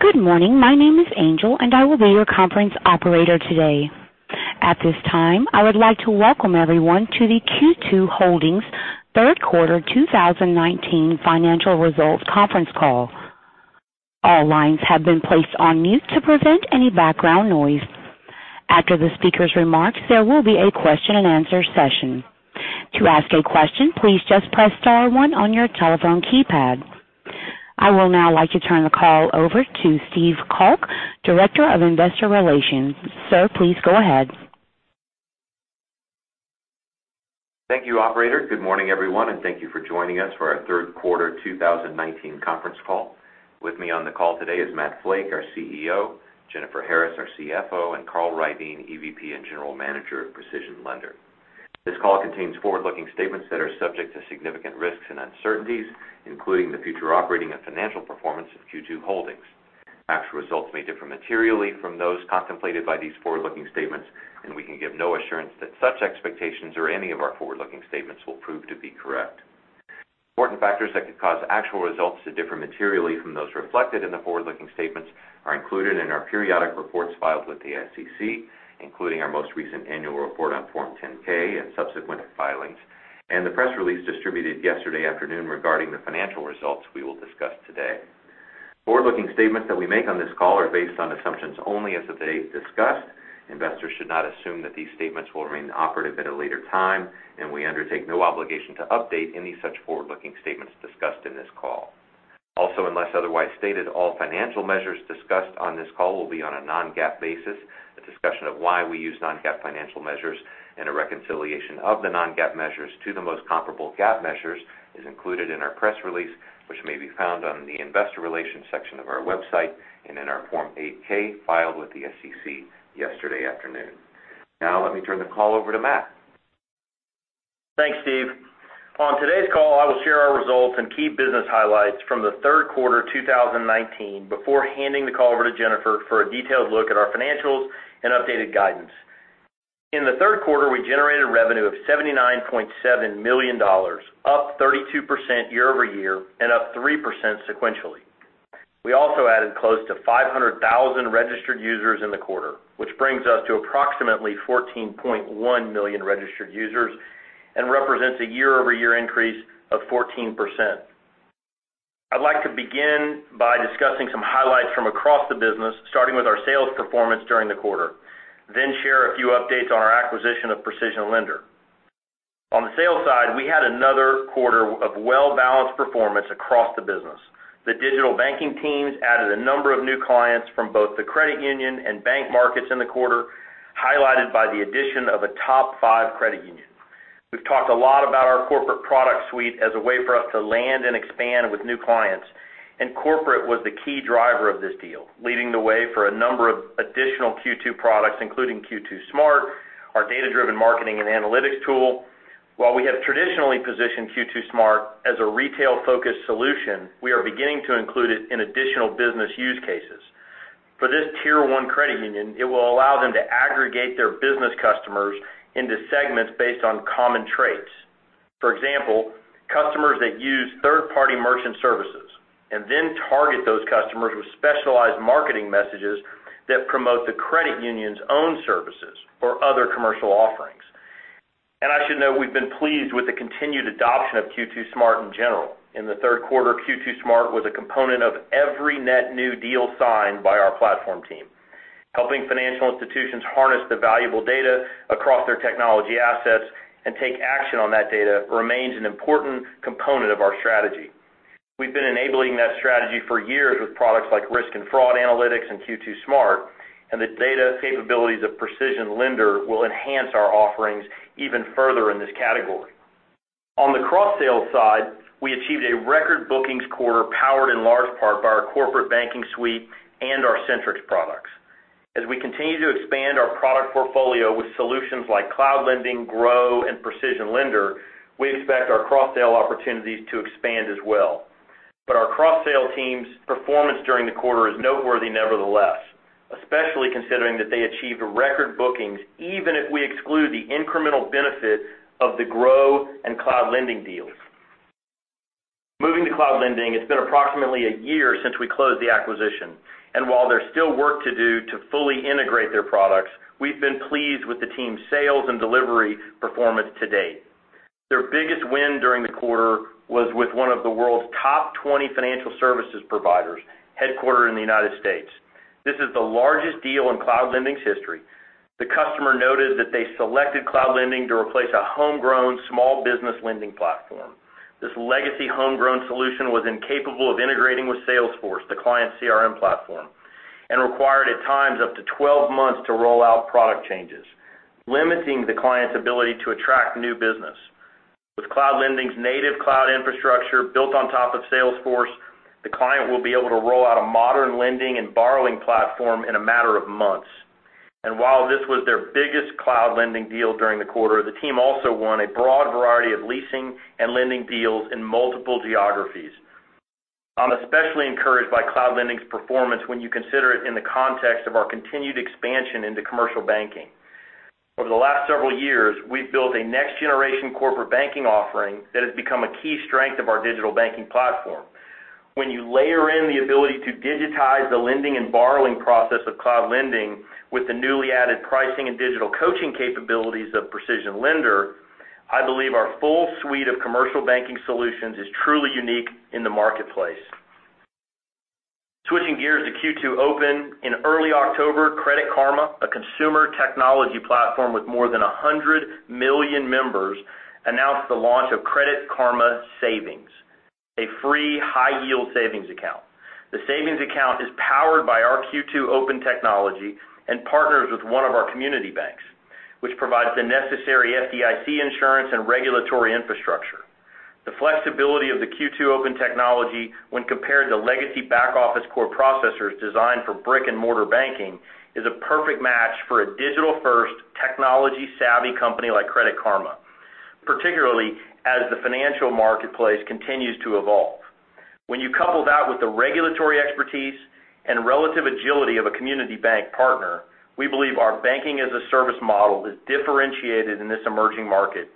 Good morning. My name is Angel. I will be your conference operator today. At this time, I would like to welcome everyone to the Q2 Holdings third quarter 2019 financial results conference call. All lines have been placed on mute to prevent any background noise. After the speaker's remarks, there will be a question and answer session. To ask a question, please just press star one on your telephone keypad. I would now like to turn the call over to Steve Calk, Director of Investor Relations. Sir, please go ahead. Thank you, operator. Good morning, everyone, and thank you for joining us for our third quarter 2019 conference call. With me on the call today is Matt Flake, our CEO, Jennifer Harris, our CFO, and Carl Ryden, EVP and General Manager of PrecisionLender. This call contains forward-looking statements that are subject to significant risks and uncertainties, including the future operating and financial performance of Q2 Holdings. Actual results may differ materially from those contemplated by these forward-looking statements, and we can give no assurance that such expectations or any of our forward-looking statements will prove to be correct. Important factors that could cause actual results to differ materially from those reflected in the forward-looking statements are included in our periodic reports filed with the SEC, including our most recent annual report on Form 10-K and subsequent filings, and the press release distributed yesterday afternoon regarding the financial results we will discuss today. Forward-looking statements that we make on this call are based on assumptions only as of the date discussed. Investors should not assume that these statements will remain operative at a later time, and we undertake no obligation to update any such forward-looking statements discussed in this call. Also, unless otherwise stated, all financial measures discussed on this call will be on a non-GAAP basis. A discussion of why we use non-GAAP financial measures and a reconciliation of the non-GAAP measures to the most comparable GAAP measures is included in our press release, which may be found on the investor relations section of our website and in our Form 8-K filed with the SEC yesterday afternoon. Now let me turn the call over to Matt. Thanks, Steve. On today's call, I will share our results and key business highlights from the third quarter 2019 before handing the call over to Jennifer for a detailed look at our financials and updated guidance. In the third quarter, we generated revenue of $79.7 million, up 32% year-over-year and up 3% sequentially. We also added close to 500,000 registered users in the quarter, which brings us to approximately 14.1 million registered users and represents a year-over-year increase of 14%. I'd like to begin by discussing some highlights from across the business, starting with our sales performance during the quarter, then share a few updates on our acquisition of PrecisionLender. On the sales side, we had another quarter of well-balanced performance across the business. The digital banking teams added a number of new clients from both the credit union and bank markets in the quarter, highlighted by the addition of a top five credit union. We've talked a lot about our corporate product suite as a way for us to land and expand with new clients. Corporate was the key driver of this deal, leading the way for a number of additional Q2 products, including Q2 SMART, our data-driven marketing and analytics tool. While we have traditionally positioned Q2 SMART as a retail-focused solution, we are beginning to include it in additional business use cases. For this Tier 1 credit union, it will allow them to aggregate their business customers into segments based on common traits. For example, customers that use third-party merchant services and then target those customers with specialized marketing messages that promote the credit union's own services or other commercial offerings. I should note we've been pleased with the continued adoption of Q2 SMART in general. In the third quarter, Q2 SMART was a component of every net new deal signed by our platform team. Helping financial institutions harness the valuable data across their technology assets and take action on that data remains an important component of our strategy. We've been enabling that strategy for years with products like risk and fraud analytics and Q2 SMART, and the data capabilities of PrecisionLender will enhance our offerings even further in this category. On the cross-sell side, we achieved a record bookings quarter powered in large part by our corporate banking suite and our Centrix products. As we continue to expand our product portfolio with solutions like Cloud Lending, Gro, and PrecisionLender, we expect our cross-sell opportunities to expand as well. Our cross-sell team's performance during the quarter is noteworthy nevertheless, especially considering that they achieved a record bookings even if we exclude the incremental benefit of the Gro and Cloud Lending deals. Moving to Cloud Lending, it's been approximately a year since we closed the acquisition, and while there's still work to do to fully integrate their products, we've been pleased with the team's sales and delivery performance to date. Their biggest win during the quarter was with one of the world's top 20 financial services providers headquartered in the U.S. This is the largest deal in Cloud Lending's history. The customer noted that they selected Cloud Lending to replace a homegrown small business lending platform. This legacy homegrown solution was incapable of integrating with Salesforce, the client's CRM platform, and required at times up to 12 months to roll out product changes, limiting the client's ability to attract new business. With Cloud Lending's native cloud infrastructure built on top of Salesforce, the client will be able to roll out a modern lending and borrowing platform in a matter of months. While this was their biggest Cloud Lending deal during the quarter, the team also won a broad variety of leasing and lending deals in multiple geographies. I'm especially encouraged by Cloud Lending's performance when you consider it in the context of our continued expansion into commercial banking. Over the last several years, we've built a next-generation corporate banking offering that has become a key strength of our digital banking platform. When you layer in the ability to digitize the lending and borrowing process of Cloud Lending with the newly added pricing and digital coaching capabilities of PrecisionLender, I believe our full suite of commercial banking solutions is truly unique in the marketplace. Switching gears to Q2 Open. In early October, Credit Karma, a consumer technology platform with more than 100 million members, announced the launch of Credit Karma Savings, a free high-yield savings account. The savings account is powered by our Q2 Open technology and partners with one of our community banks, which provides the necessary FDIC insurance and regulatory infrastructure. The flexibility of the Q2 Open technology when compared to legacy back-office core processors designed for brick-and-mortar banking is a perfect match for a digital-first, technology-savvy company like Credit Karma, particularly as the financial marketplace continues to evolve. When you couple that with the regulatory expertise and relative agility of a community bank partner, we believe our banking-as-a-service model is differentiated in this emerging market,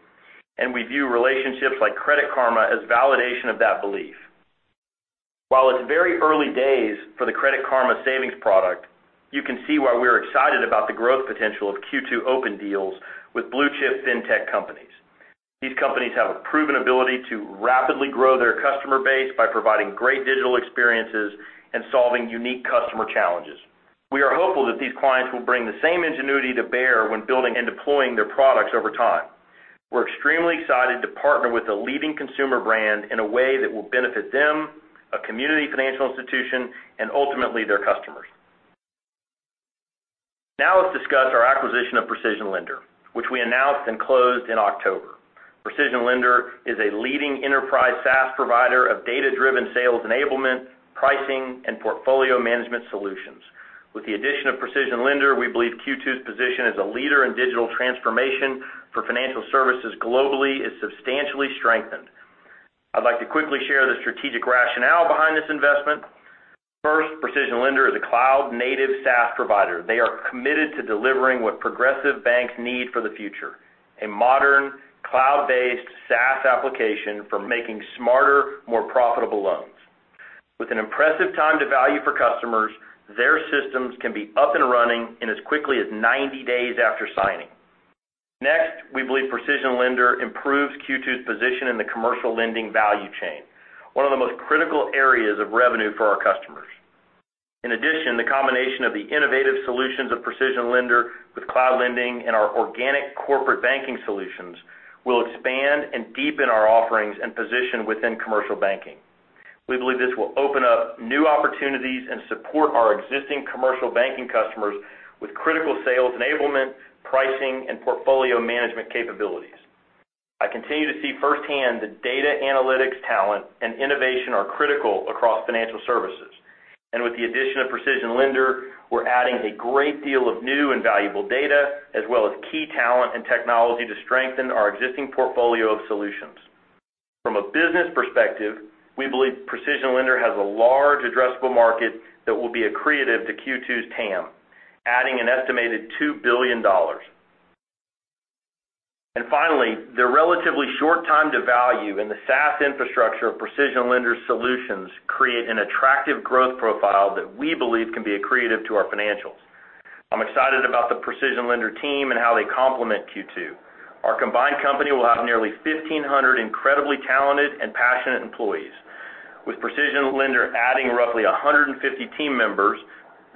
and we view relationships like Credit Karma as validation of that belief. While it's very early days for the Credit Karma savings product, you can see why we're excited about the growth potential of Q2 Open deals with blue-chip fintech companies. These companies have a proven ability to rapidly grow their customer base by providing great digital experiences and solving unique customer challenges. We are hopeful that these clients will bring the same ingenuity to bear when building and deploying their products over time. We're extremely excited to partner with a leading consumer brand in a way that will benefit them, a community financial institution, and ultimately, their customers. Now let's discuss our acquisition of PrecisionLender, which we announced and closed in October. PrecisionLender is a leading enterprise SaaS provider of data-driven sales enablement, pricing, and portfolio management solutions. With the addition of PrecisionLender, we believe Q2's position as a leader in digital transformation for financial services globally is substantially strengthened. I'd like to quickly share the strategic rationale behind this investment. First, PrecisionLender is a cloud-native SaaS provider. They are committed to delivering what progressive banks need for the future, a modern, cloud-based SaaS application for making smarter, more profitable loans. With an impressive time to value for customers, their systems can be up and running in as quickly as 90 days after signing. Next, we believe PrecisionLender improves Q2's position in the commercial lending value chain, one of the most critical areas of revenue for our customers. The combination of the innovative solutions of PrecisionLender with Cloud Lending and our organic corporate banking solutions will expand and deepen our offerings and position within commercial banking. We believe this will open up new opportunities and support our existing commercial banking customers with critical sales enablement, pricing, and portfolio management capabilities. I continue to see firsthand that data analytics talent and innovation are critical across financial services. With the addition of PrecisionLender, we're adding a great deal of new and valuable data, as well as key talent and technology to strengthen our existing portfolio of solutions. From a business perspective, we believe PrecisionLender has a large addressable market that will be accretive to Q2's TAM, adding an estimated $2 billion. Finally, the relatively short time to value and the SaaS infrastructure of PrecisionLender's solutions create an attractive growth profile that we believe can be accretive to our financials. I'm excited about the PrecisionLender team and how they complement Q2. Our combined company will have nearly 1,500 incredibly talented and passionate employees. With PrecisionLender adding roughly 150 team members,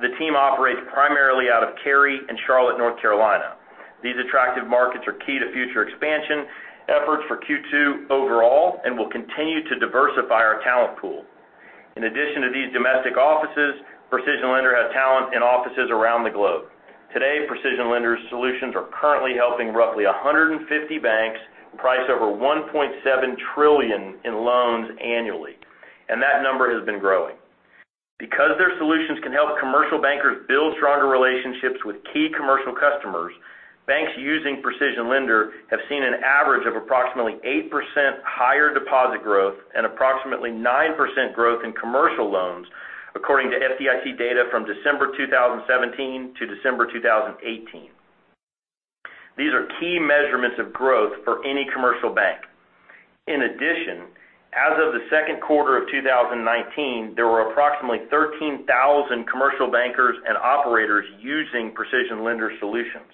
the team operates primarily out of Cary and Charlotte, North Carolina. These attractive markets are key to future expansion efforts for Q2 overall and will continue to diversify our talent pool. In addition to these domestic offices, PrecisionLender has talent in offices around the globe. Today, PrecisionLender's solutions are currently helping roughly 150 banks price over $1.7 trillion in loans annually, and that number has been growing. Because their solutions can help commercial bankers build stronger relationships with key commercial customers, banks using PrecisionLender have seen an average of approximately 8% higher deposit growth and approximately 9% growth in commercial loans, according to FDIC data from December 2017 to December 2018. These are key measurements of growth for any commercial bank. In addition, as of the second quarter of 2019, there were approximately 13,000 commercial bankers and operators using PrecisionLender solutions.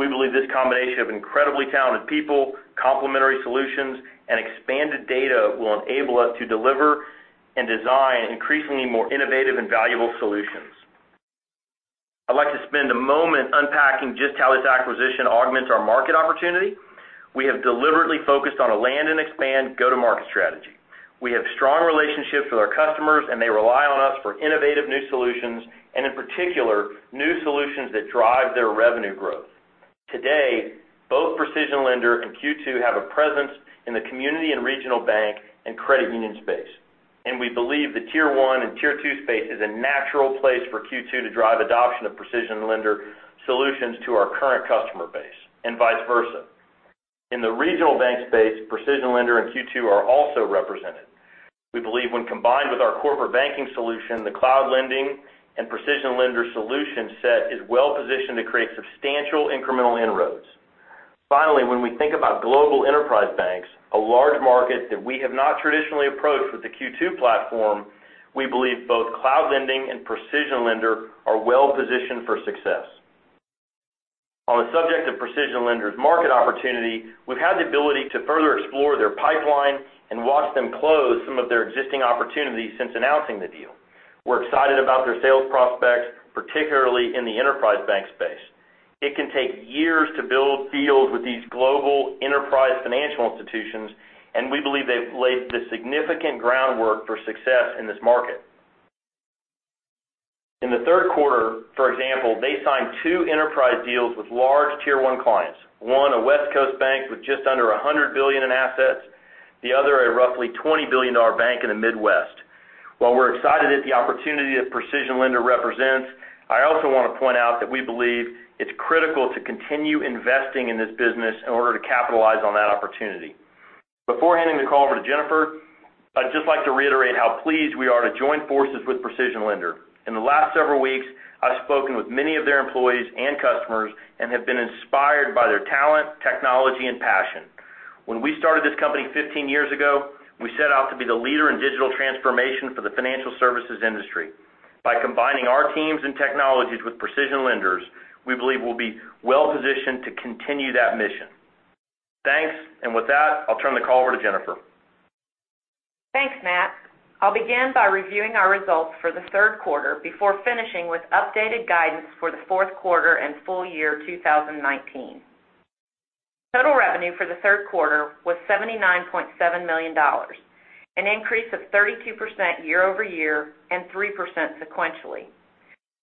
We believe this combination of incredibly talented people, complementary solutions, and expanded data will enable us to deliver and design increasingly more innovative and valuable solutions. I'd like to spend a moment unpacking just how this acquisition augments our market opportunity. We have deliberately focused on a land-and-expand go-to-market strategy. We have strong relationships with our customers, they rely on us for innovative new solutions, and in particular, new solutions that drive their revenue growth. Today, both PrecisionLender and Q2 have a presence in the community and regional bank and credit union space, we believe the Tier 1 and Tier 2 space is a natural place for Q2 to drive adoption of PrecisionLender solutions to our current customer base and vice versa. In the regional bank space, PrecisionLender and Q2 are also represented. We believe when combined with our corporate banking solution, the Cloud Lending and PrecisionLender solution set is well-positioned to create substantial incremental inroads. Finally, when we think about global enterprise banks, a large market that we have not traditionally approached with the Q2 platform, we believe both Cloud Lending and PrecisionLender are well-positioned for success. On the subject of PrecisionLender's market opportunity, we've had the ability to further explore their pipeline and watch them close some of their existing opportunities since announcing the deal. We're excited about their sales prospects, particularly in the enterprise bank space. It can take years to build deals with these global enterprise financial institutions, and we believe they've laid the significant groundwork for success in this market. In the third quarter, for example, they signed two enterprise deals with large Tier 1 clients, one a West Coast bank with just under $100 billion in assets, the other a roughly $20 billion bank in the Midwest. While we're excited at the opportunity that PrecisionLender represents, I also want to point out that we believe it's critical to continue investing in this business in order to capitalize on that opportunity. Before handing the call over to Jennifer, I'd just like to reiterate how pleased we are to join forces with PrecisionLender. In the last several weeks, I've spoken with many of their employees and customers and have been inspired by their talent, technology, and passion. When we started this company 15 years ago, we set out to be the leader in digital transformation for the financial services industry. By combining our teams and technologies with PrecisionLender's, we believe we'll be well-positioned to continue that mission. Thanks. With that, I'll turn the call over to Jennifer. Thanks, Matt. I'll begin by reviewing our results for the third quarter before finishing with updated guidance for the fourth quarter and full year 2019. Total revenue for the third quarter was $79.7 million, an increase of 32% year-over-year and 3% sequentially.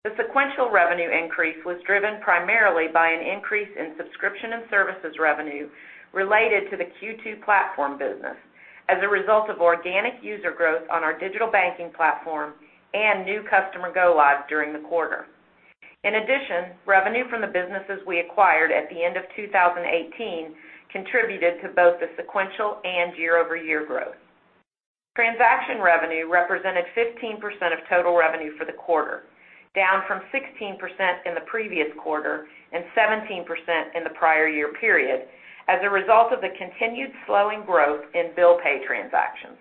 The sequential revenue increase was driven primarily by an increase in subscription and services revenue related to the Q2 platform business as a result of organic user growth on our digital banking platform and new customer go lives during the quarter. In addition, revenue from the businesses we acquired at the end of 2018 contributed to both the sequential and year-over-year growth. Transaction revenue represented 15% of total revenue for the quarter, down from 16% in the previous quarter and 17% in the prior year period as a result of the continued slowing growth in bill pay transactions.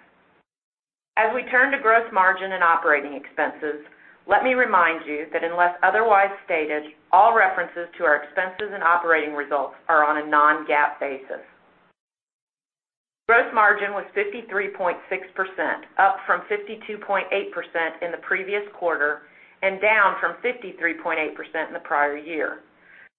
As we turn to gross margin and operating expenses, let me remind you that unless otherwise stated, all references to our expenses and operating results are on a non-GAAP basis. Gross margin was 53.6%, up from 52.8% in the previous quarter and down from 53.8% in the prior year.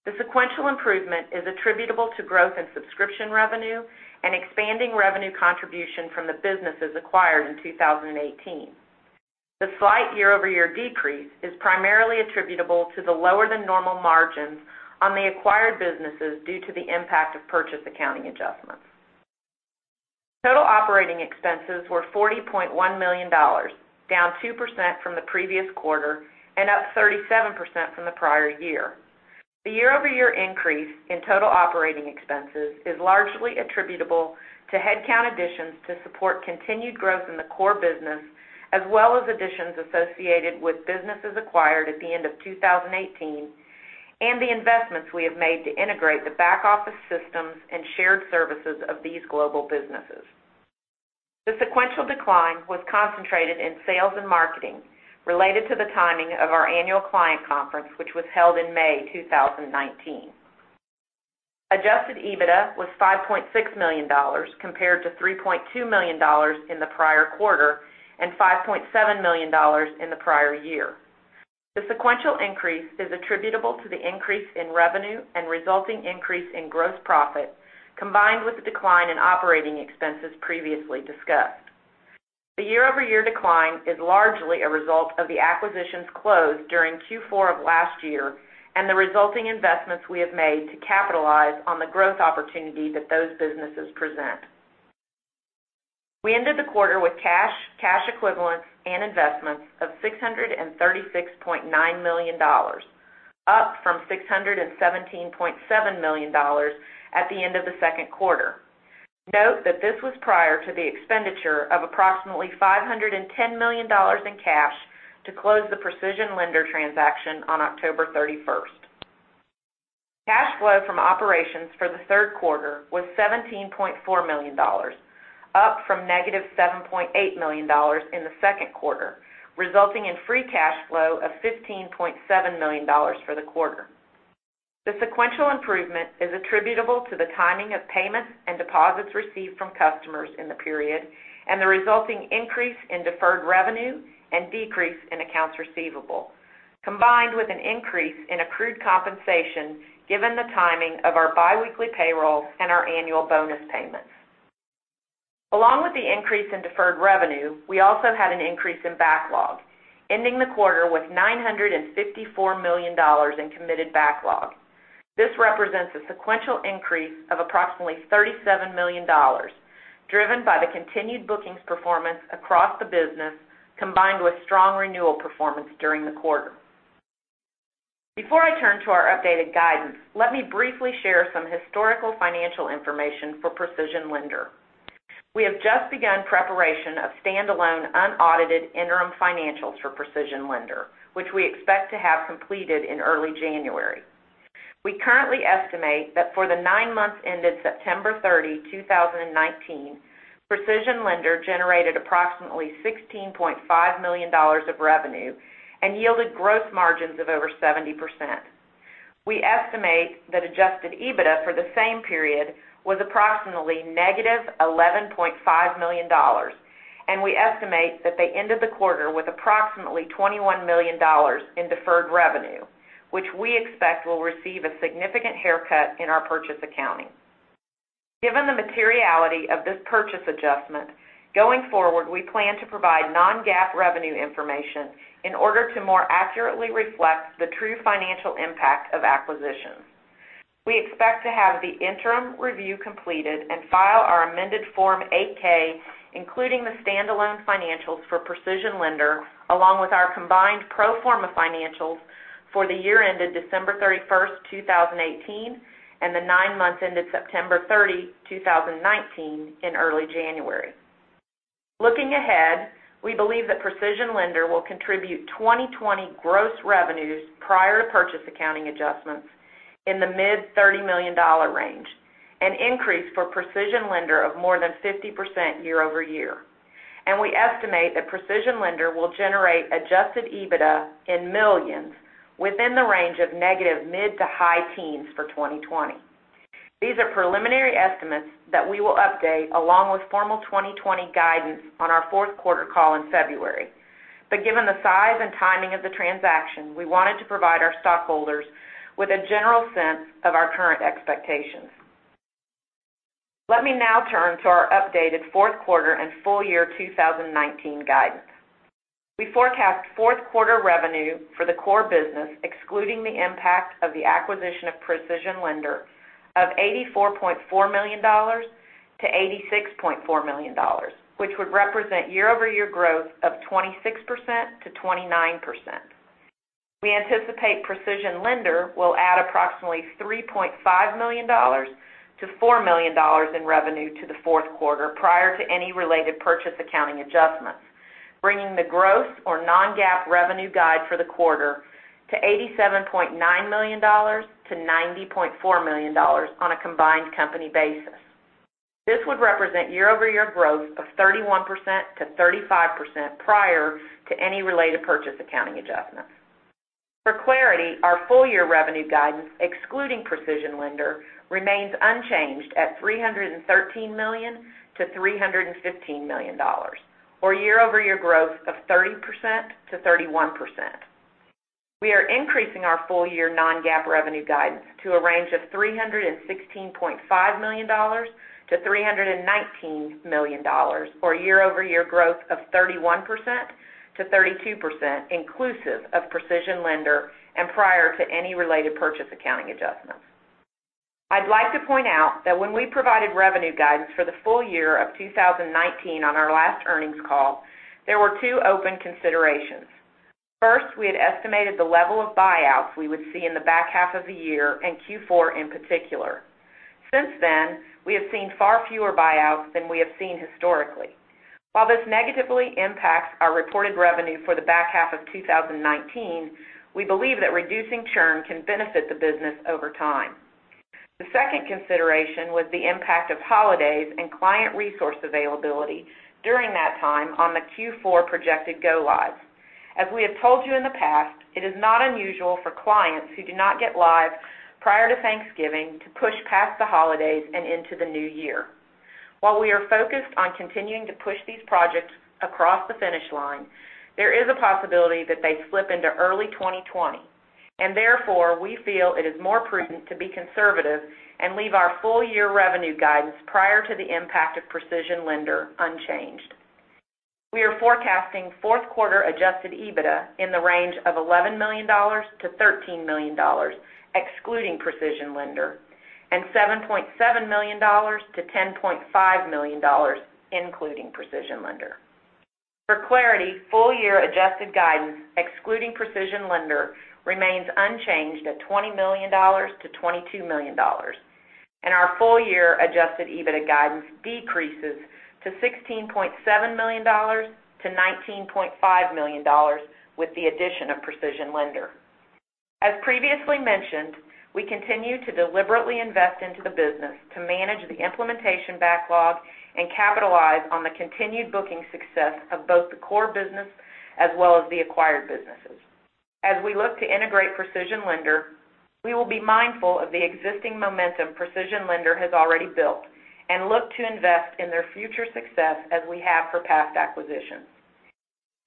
The sequential improvement is attributable to growth in subscription revenue and expanding revenue contribution from the businesses acquired in 2018. The slight year-over-year decrease is primarily attributable to the lower than normal margins on the acquired businesses due to the impact of purchase accounting adjustments. Total operating expenses were $40.1 million, down 2% from the previous quarter and up 37% from the prior year. The year-over-year increase in total operating expenses is largely attributable to headcount additions to support continued growth in the core business, as well as additions associated with businesses acquired at the end of 2018, and the investments we have made to integrate the back office systems and shared services of these global businesses. The sequential decline was concentrated in sales and marketing related to the timing of our annual client conference, which was held in May 2019. Adjusted EBITDA was $5.6 million compared to $3.2 million in the prior quarter, and $5.7 million in the prior year. The sequential increase is attributable to the increase in revenue and resulting increase in gross profit, combined with the decline in operating expenses previously discussed. The year-over-year decline is largely a result of the acquisitions closed during Q4 of last year and the resulting investments we have made to capitalize on the growth opportunity that those businesses present. We ended the quarter with cash equivalents, and investments of $636.9 million, up from $617.7 million at the end of the second quarter. Note that this was prior to the expenditure of approximately $510 million in cash to close the PrecisionLender transaction on October 31st. Cash flow from operations for the third quarter was $17.4 million, up from negative $7.8 million in the second quarter, resulting in free cash flow of $15.7 million for the quarter. The sequential improvement is attributable to the timing of payments and deposits received from customers in the period and the resulting increase in deferred revenue and decrease in accounts receivable, combined with an increase in accrued compensation, given the timing of our biweekly payroll and our annual bonus payments. Along with the increase in deferred revenue, we also had an increase in backlog, ending the quarter with $954 million in committed backlog. This represents a sequential increase of approximately $37 million, driven by the continued bookings performance across the business, combined with strong renewal performance during the quarter. Before I turn to our updated guidance, let me briefly share some historical financial information for PrecisionLender. We have just begun preparation of standalone unaudited interim financials for PrecisionLender, which we expect to have completed in early January. We currently estimate that for the nine months ended September 30, 2019, PrecisionLender generated approximately $16.5 million of revenue and yielded gross margins of over 70%. We estimate that adjusted EBITDA for the same period was approximately negative $11.5 million, and we estimate that they ended the quarter with approximately $21 million in deferred revenue, which we expect will receive a significant haircut in our purchase accounting. Given the materiality of this purchase adjustment, going forward, we plan to provide non-GAAP revenue information in order to more accurately reflect the true financial impact of acquisitions. We expect to have the interim review completed and file our amended Form 8-K, including the standalone financials for PrecisionLender, along with our combined pro forma financials for the year ended December 31, 2018, and the nine months ended September 30, 2019 in early January. Looking ahead, we believe that PrecisionLender will contribute 2020 gross revenues prior to purchase accounting adjustments in the mid $30 million range, an increase for PrecisionLender of more than 50% year-over-year. We estimate that PrecisionLender will generate adjusted EBITDA in millions within the range of negative mid to high teens for 2020. These are preliminary estimates that we will update along with formal 2020 guidance on our fourth quarter call in February. Given the size and timing of the transaction, we wanted to provide our stockholders with a general sense of our current expectations. Let me now turn to our updated fourth quarter and full year 2019 guidance. We forecast fourth quarter revenue for the core business, excluding the impact of the acquisition of PrecisionLender, of $84.4 million-$86.4 million, which would represent year-over-year growth of 26%-29%. We anticipate PrecisionLender will add approximately $3.5 million-$4 million in revenue to the fourth quarter prior to any related purchase accounting adjustments, bringing the growth or non-GAAP revenue guide for the quarter to $87.9 million-$90.4 million on a combined company basis. This would represent year-over-year growth of 31%-35% prior to any related purchase accounting adjustments. For clarity, our full year revenue guidance, excluding PrecisionLender, remains unchanged at $313 million-$315 million, or year-over-year growth of 30%-31%. We are increasing our full year non-GAAP revenue guidance to a range of $316.5 million-$319 million, or year-over-year growth of 31%-32% inclusive of PrecisionLender and prior to any related purchase accounting adjustments. I'd like to point out that when we provided revenue guidance for the full year of 2019 on our last earnings call, there were two open considerations. First, we had estimated the level of buyouts we would see in the back half of the year and Q4 in particular. Since then, we have seen far fewer buyouts than we have seen historically. While this negatively impacts our reported revenue for the back half of 2019, we believe that reducing churn can benefit the business over time. The second consideration was the impact of holidays and client resource availability during that time on the Q4 projected go lives. As we have told you in the past, it is not unusual for clients who do not get live prior to Thanksgiving to push past the holidays and into the new year. While we are focused on continuing to push these projects across the finish line, there is a possibility that they slip into early 2020, and therefore, we feel it is more prudent to be conservative and leave our full year revenue guidance prior to the impact of PrecisionLender unchanged. We are forecasting fourth quarter adjusted EBITDA in the range of $11 million-$13 million, excluding PrecisionLender, and $7.7 million-$10.5 million, including PrecisionLender. For clarity, full year adjusted guidance, excluding PrecisionLender, remains unchanged at $20 million-$22 million, and our full year adjusted EBITDA guidance decreases to $16.7 million-$19.5 million with the addition of PrecisionLender. As previously mentioned, we continue to deliberately invest into the business to manage the implementation backlog and capitalize on the continued booking success of both the core business as well as the acquired businesses. As we look to integrate PrecisionLender, we will be mindful of the existing momentum PrecisionLender has already built and look to invest in their future success as we have for past acquisitions.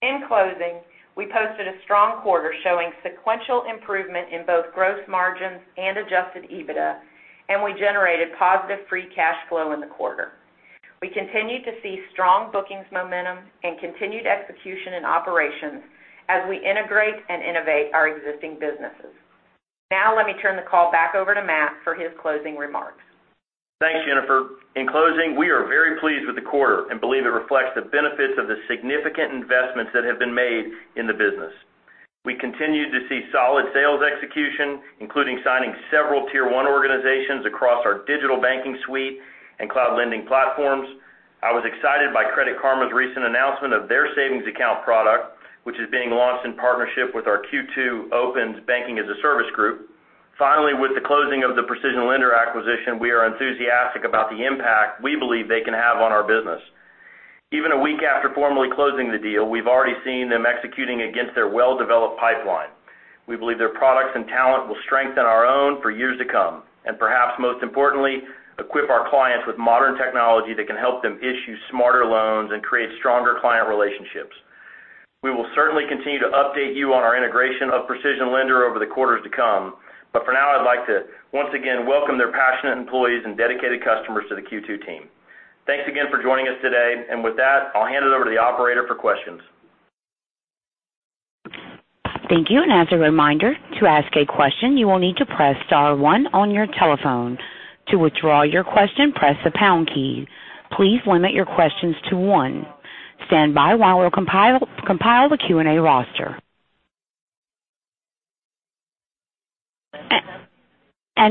In closing, we posted a strong quarter showing sequential improvement in both gross margins and adjusted EBITDA, and we generated positive free cash flow in the quarter. We continue to see strong bookings momentum and continued execution in operations as we integrate and innovate our existing businesses. Now, let me turn the call back over to Matt for his closing remarks. Thanks, Jennifer. In closing, we are very pleased with the quarter and believe it reflects the benefits of the significant investments that have been made in the business. We continue to see solid sales execution, including signing several Tier 1 organizations across our digital banking suite and Cloud Lending platforms. I was excited by Credit Karma's recent announcement of their savings account product, which is being launched in partnership with our Q2 Open's Banking-as-a-Service group. Finally, with the closing of the PrecisionLender acquisition, we are enthusiastic about the impact we believe they can have on our business. Even a week after formally closing the deal, we've already seen them executing against their well-developed pipeline. We believe their products and talent will strengthen our own for years to come, and perhaps most importantly, equip our clients with modern technology that can help them issue smarter loans and create stronger client relationships. We will certainly continue to update you on our integration of PrecisionLender over the quarters to come. For now, I'd like to once again welcome their passionate employees and dedicated customers to the Q2 team. Thanks again for joining us today. With that, I'll hand it over to the operator for questions. Thank you. As a reminder, to ask a question, you will need to press star one on your telephone. To withdraw your question, press the pound key. Please limit your questions to one. Stand by while we compile the Q&A roster.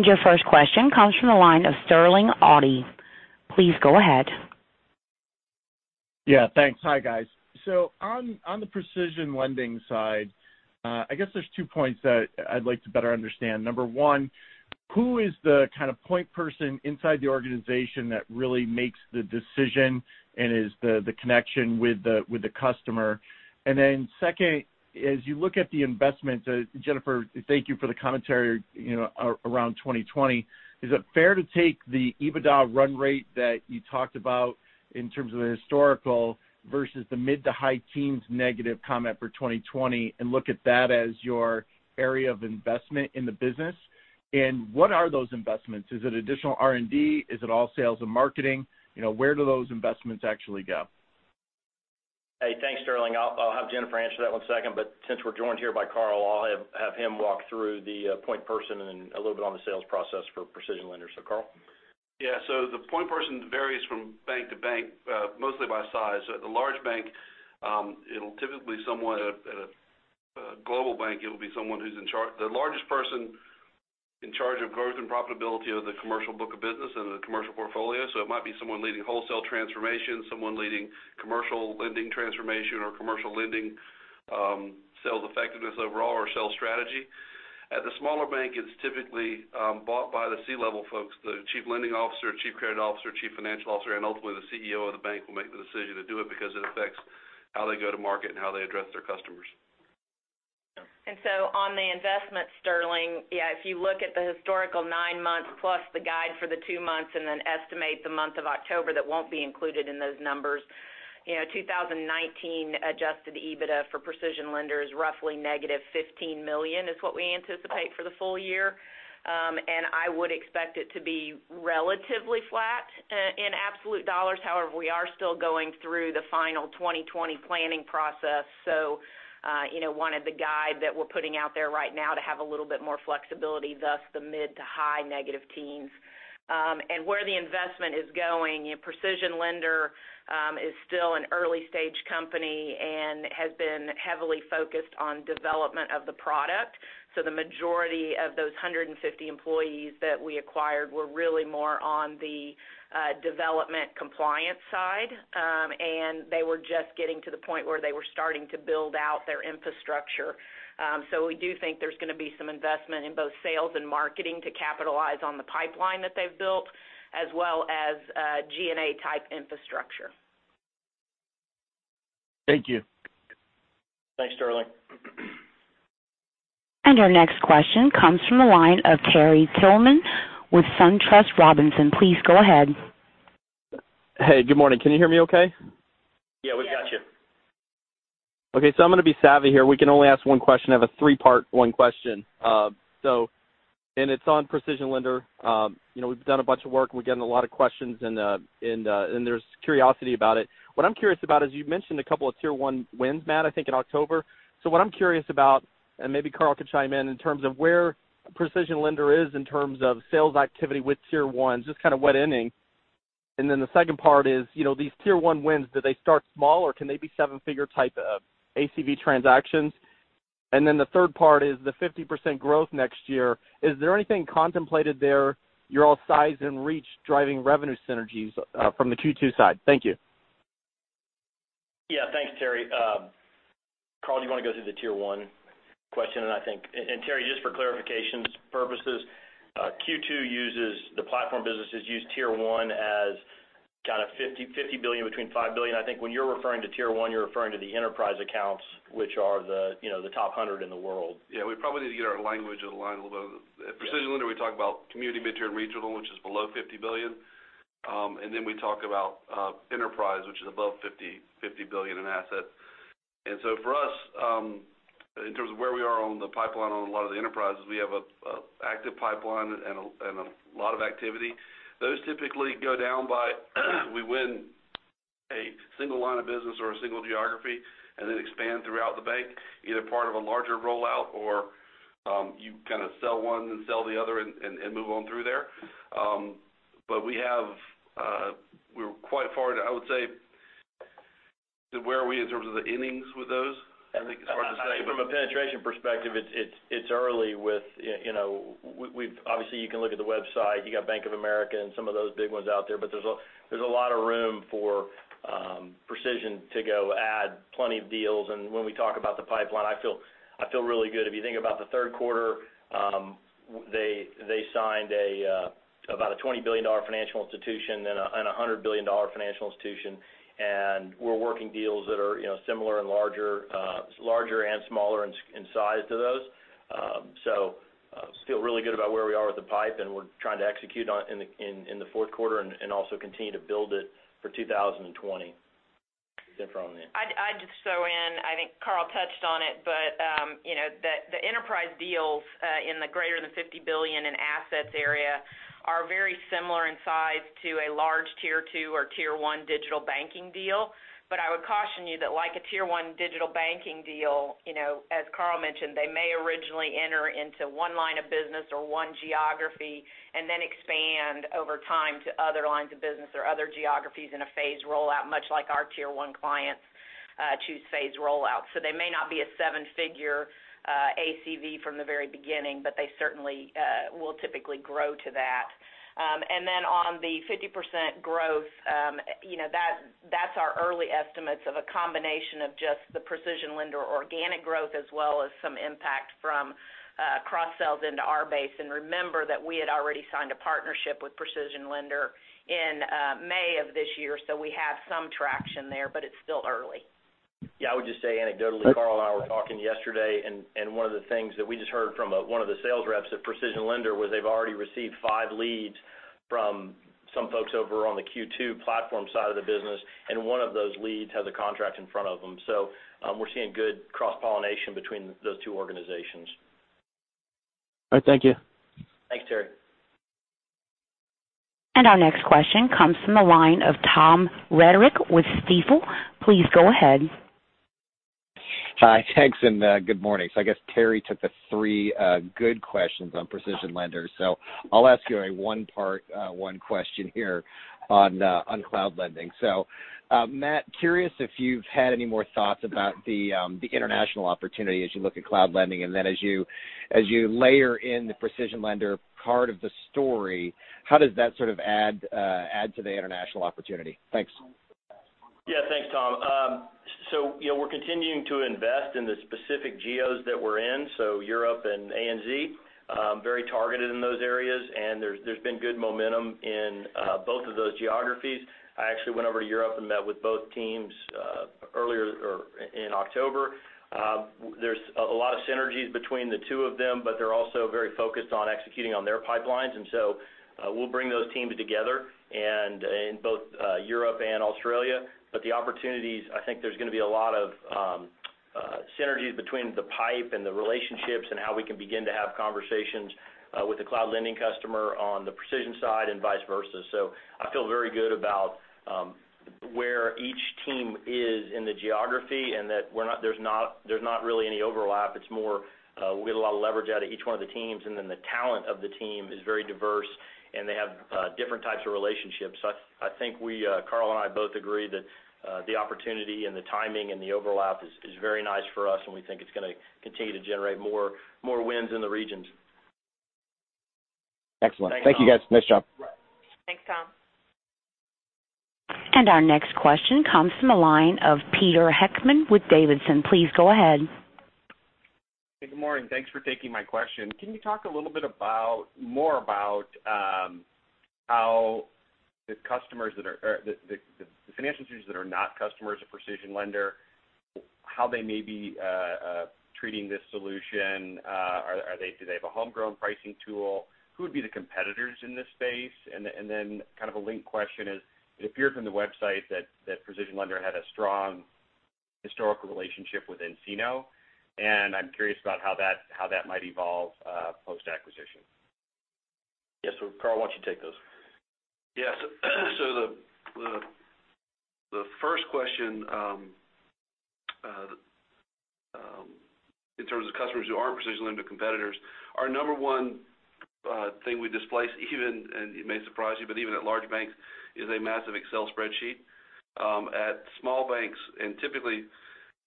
Your first question comes from the line of Sterling Auty. Please go ahead. Yeah, thanks. Hi, guys. On the PrecisionLender side, I guess there's two points that I'd like to better understand. Number one, who is the point person inside the organization that really makes the decision and is the connection with the customer? Second, as you look at the investment, Jennifer, thank you for the commentary around 2020. Is it fair to take the EBITDA run rate that you talked about in terms of the historical versus the mid to high teens negative comment for 2020, and look at that as your area of investment in the business? What are those investments? Is it additional R&D? Is it all sales and marketing? Where do those investments actually go? Hey, thanks, Sterling. I'll have Jennifer answer that one second. Since we're joined here by Carl, I'll have him walk through the point person and then a little bit on the sales process for PrecisionLender. Carl? Yeah. The point person varies from bank to bank, mostly by size. At the large bank, at a global bank, it'll be the largest person in charge of growth and profitability of the commercial book of business and the commercial portfolio. It might be someone leading wholesale transformation, someone leading commercial lending transformation or commercial lending sales effectiveness overall or sales strategy. At the smaller bank, it's typically bought by the C-level folks, the Chief Lending Officer, Chief Credit Officer, Chief Financial Officer, and ultimately the CEO of the bank will make the decision to do it because it affects how they go to market and how they address their customers. On the investment, Sterling, if you look at the historical nine months plus the guide for the two months, then estimate the month of October that won't be included in those numbers, 2019 adjusted EBITDA for PrecisionLender is roughly $-15 million, is what we anticipate for the full year. I would expect it to be relatively flat in absolute dollars. However, we are still going through the final 2020 planning process, so wanted the guide that we're putting out there right now to have a little bit more flexibility, thus the mid to high negative teens. Where the investment is going, PrecisionLender is still an early-stage company and has been heavily focused on development of the product. The majority of those 150 employees that we acquired were really more on the development compliance side. They were just getting to the point where they were starting to build out their infrastructure. We do think there's going to be some investment in both sales and marketing to capitalize on the pipeline that they've built, as well as G&A-type infrastructure. Thank you. Thanks, Sterling. Our next question comes from the line of Terry Tillman with SunTrust Robinson. Please go ahead. Hey, good morning. Can you hear me okay? Yeah, we've got you. Okay, I'm going to be savvy here. We can only ask one question. I have a three-part one question. It's on PrecisionLender. We've done a bunch of work. We're getting a lot of questions and there's curiosity about it. What I'm curious about is you've mentioned a couple of Tier 1 wins, Matt, I think in October. What I'm curious about, and maybe Carl could chime in terms of where PrecisionLender is in terms of sales activity with Tier 1, just kind of what inning. The second part is, these Tier 1 wins, do they start small, or can they be seven-figure type ACV transactions? The third part is the 50% growth next year. Is there anything contemplated there, your size and reach driving revenue synergies from the Q2 side? Thank you. Yeah. Thanks, Terry. Carl, do you want to go through the Tier 1 question? Terry, just for clarification purposes, Q2 uses the platform businesses, use Tier 1 as kind of $50 billion between $5 billion. I think when you're referring to Tier 1, you're referring to the enterprise accounts, which are the top 100 in the world. Yeah. We probably need to get our language aligned a little better. At PrecisionLender, we talk about community, mid-tier, and regional, which is below 50 billion. Then we talk about enterprise, which is above 50 billion in assets. For us, in terms of where we are on the pipeline on a lot of the enterprises, we have an active pipeline and a lot of activity. Those typically go down by we win a single line of business or a single geography, and then expand throughout the bank, either part of a larger rollout or you kind of sell one, then sell the other, and move on through there. We're quite far, I would say. Where are we in terms of the innings with those? I think it's hard to say. From a penetration perspective, it's early. Obviously, you can look at the website. You got Bank of America and some of those big ones out there's a lot of room for Precision to go add plenty of deals. When we talk about the pipeline, I feel really good. If you think about the third quarter, they signed about a $20 billion financial institution, a $100 billion financial institution. We're working deals that are similar and larger and smaller in size to those. Feel really good about where we are with the pipe, and we're trying to execute in the fourth quarter and also continue to build it for 2020 synergies on the end. I'd just throw in, I think Carl Ryden touched on it, but the enterprise deals in the greater than 50 billion in assets area are very similar in size to a large Tier 2 or Tier 1 digital banking deal. I would caution you that like a Tier 1 digital banking deal, as Carl Ryden mentioned, they may originally enter into one line of business or one geography, and then expand over time to other lines of business or other geographies in a phased rollout, much like our Tier 1 clients choose phased rollout. They may not be a seven-figure ACV from the very beginning, but they certainly will typically grow to that. On the 50% growth, that's our early estimates of a combination of just the PrecisionLender organic growth, as well as some impact from cross-sells into our base. Remember that we had already signed a partnership with PrecisionLender in May of this year, so we have some traction there, but it's still early. Yeah, I would just say anecdotally, Carl and I were talking yesterday, and one of the things that we just heard from one of the sales reps at PrecisionLender was they've already received five leads from some folks over on the Q2 platform side of the business, and one of those leads has a contract in front of them. We're seeing good cross-pollination between those two organizations. All right. Thank you. Thanks, Terry. Our next question comes from the line of Tom Roderick with Stifel. Please go ahead. Hi. Thanks, and good morning. I guess Terry took the three good questions on PrecisionLender. I'll ask you a one part, one question here on Cloud Lending. Matt, curious if you've had any more thoughts about the international opportunity as you look at Cloud Lending, and then as you layer in the PrecisionLender part of the story, how does that sort of add to the international opportunity? Thanks. Yeah. Thanks, Tom. We're continuing to invest in the specific geos that we're in, Europe and ANZ. Very targeted in those areas, and there's been good momentum in both of those geographies. I actually went over to Europe and met with both teams in October. There's a lot of synergies between the two of them, but they're also very focused on executing on their pipelines. We'll bring those teams together in both Europe and Australia. The opportunities, I think there's going to be a lot of synergies between the pipe and the relationships and how we can begin to have conversations with the Cloud Lending customer on the Precision side and vice versa. I feel very good about where each team is in the geography and that there's not really any overlap. We get a lot of leverage out of each one of the teams. The talent of the team is very diverse. They have different types of relationships. I think Carl and I both agree that the opportunity and the timing and the overlap is very nice for us, and we think it's going to continue to generate more wins in the regions. Excellent. Thanks, Tom. Thank you, guys. Nice job. Thanks, Tom. Our next question comes from the line of Peter Heckmann with Davidson. Please go ahead. Hey, good morning. Thanks for taking my question. Can you talk a little bit more about how the financial institutions that are not customers of PrecisionLender, how they may be treating this solution? Do they have a homegrown pricing tool? Who would be the competitors in this space? Kind of a linked question is, it appeared from the website that PrecisionLender had a strong historical relationship with nCino, and I'm curious about how that might evolve post-acquisition. Yeah. Carl, why don't you take those? Yes. The first question, in terms of customers who aren't PrecisionLender competitors, our number one thing we displace even, and it may surprise you, but even at large banks is a massive Excel spreadsheet. At small banks, typically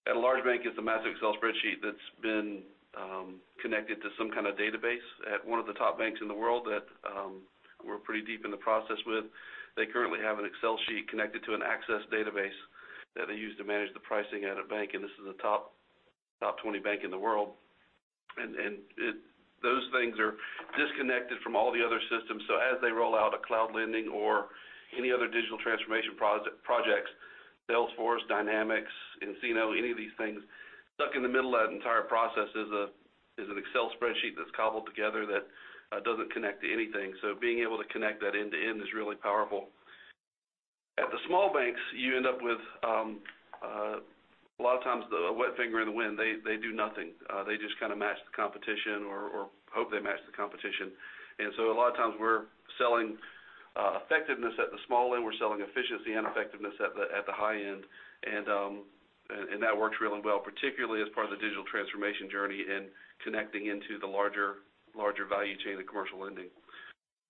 at a large bank, it's a massive Excel spreadsheet that's been connected to some kind of database. At one of the top banks in the world that we're pretty deep in the process with, they currently have an Excel sheet connected to an Access database that they use to manage the pricing at a bank, and this is a top 20 bank in the world. Those things are disconnected from all the other systems. As they roll out a Cloud Lending or any other digital transformation projects, Salesforce, Dynamics, nCino, any of these things, stuck in the middle of that entire process is an Excel spreadsheet that's cobbled together that doesn't connect to anything. Being able to connect that end to end is really powerful. At the small banks, you end up with a lot of times, the wet finger in the wind, they do nothing. They just kind of match the competition or hope they match the competition. A lot of times we're selling effectiveness at the small end, we're selling efficiency and effectiveness at the high end. That works really well, particularly as part of the digital transformation journey and connecting into the larger value chain of commercial lending.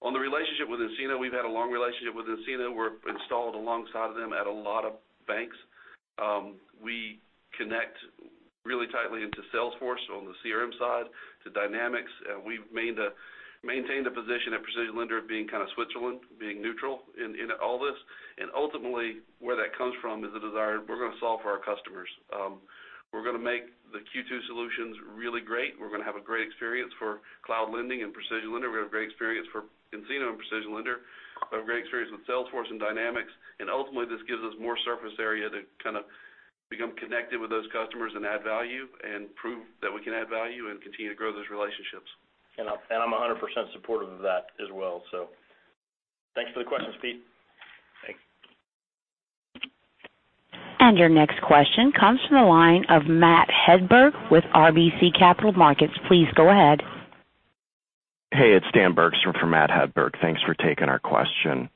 On the relationship with nCino, we've had a long relationship with nCino. We're installed alongside of them at a lot of banks. We connect really tightly into Salesforce on the CRM side, to Dynamics. We've maintained a position at PrecisionLender of being kind of Switzerland, being neutral in all this. Ultimately, where that comes from is the desire, we're going to solve for our customers. We're going to make the Q2 solutions really great. We're going to have a great experience for Cloud Lending and PrecisionLender. We have a great experience for nCino and PrecisionLender. We have a great experience with Salesforce and Dynamics. Ultimately, this gives us more surface area to kind of become connected with those customers and add value, and prove that we can add value and continue to grow those relationships. I'm 100% supportive of that as well. Thanks for the questions, Peter. Thanks. Your next question comes from the line of Matt Hedberg with RBC Capital Markets. Please go ahead. Hey, it's Dan Bergstrom for Matt Hedberg. Thanks for taking our question.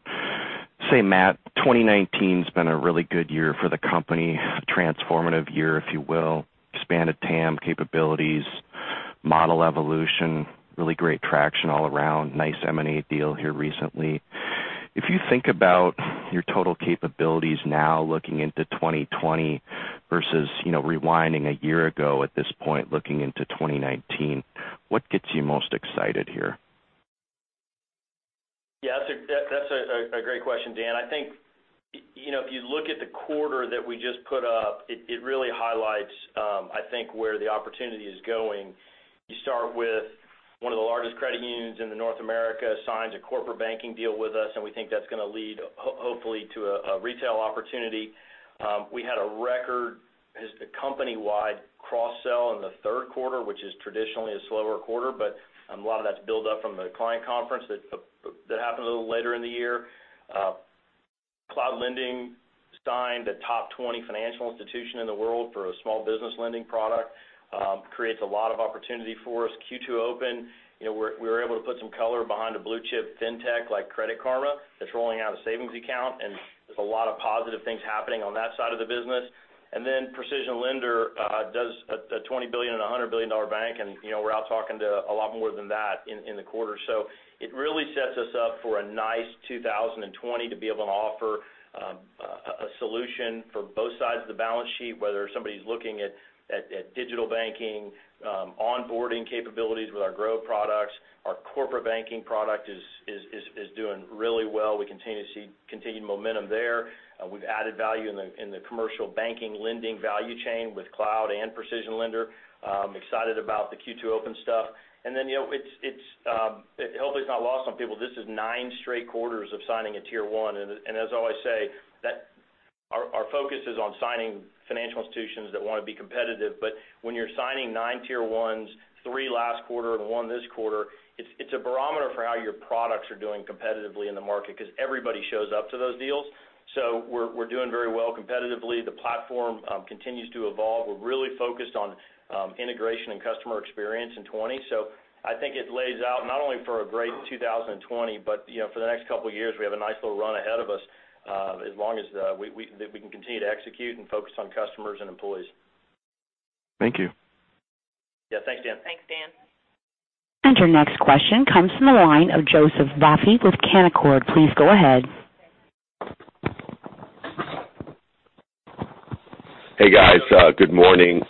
Say, Matt, 2019's been a really good year for the company, a transformative year, if you will. Expanded TAM capabilities, model evolution, really great traction all around. Nice M&A deal here recently. If you think about your total capabilities now looking into 2020 versus rewinding a year ago at this point looking into 2019, what gets you most excited here? Yeah, that's a great question, Dan. I think, if you look at the quarter that we just put up, it really highlights, I think, where the opportunity is going. You start with one of the largest credit unions in North America signs a corporate banking deal with us. We think that's going to lead, hopefully, to a retail opportunity. We had a record company-wide cross-sell in the third quarter, which is traditionally a slower quarter. A lot of that's build up from the client conference that happened a little later in the year. Cloud Lending signed a top 20 financial institution in the world for a small business lending product. Creates a lot of opportunity for us. Q2 Open, we were able to put some color behind a blue-chip fintech like Credit Karma that's rolling out a savings account, and there's a lot of positive things happening on that side of the business. PrecisionLender does a $20 billion and $100 billion bank, and we're out talking to a lot more than that in the quarter. It really sets us up for a nice 2020 to be able to offer a solution for both sides of the balance sheet, whether somebody's looking at digital banking, onboarding capabilities with our Gro products. Our corporate banking product is doing really well. We continue to see continued momentum there. We've added value in the commercial banking lending value chain with Cloud and PrecisionLender. Excited about the Q2 Open stuff. Hopefully it's not lost on people, this is nine straight quarters of signing a Tier 1. As I always say, our focus is on signing financial institutions that want to be competitive. When you're signing nine Tier 1s, three last quarter and one this quarter, it's a barometer for how your products are doing competitively in the market because everybody shows up to those deals. We're doing very well competitively. The platform continues to evolve. We're really focused on integration and customer experience in 2020. I think it lays out not only for a great 2020, but for the next couple of years, we have a nice little run ahead of us, as long as we can continue to execute and focus on customers and employees. Thank you. Yeah. Thanks, Dan. Thanks, Dan. Your next question comes from the line of Joseph Vafi with Canaccord. Please go ahead. Hey, guys. Good morning.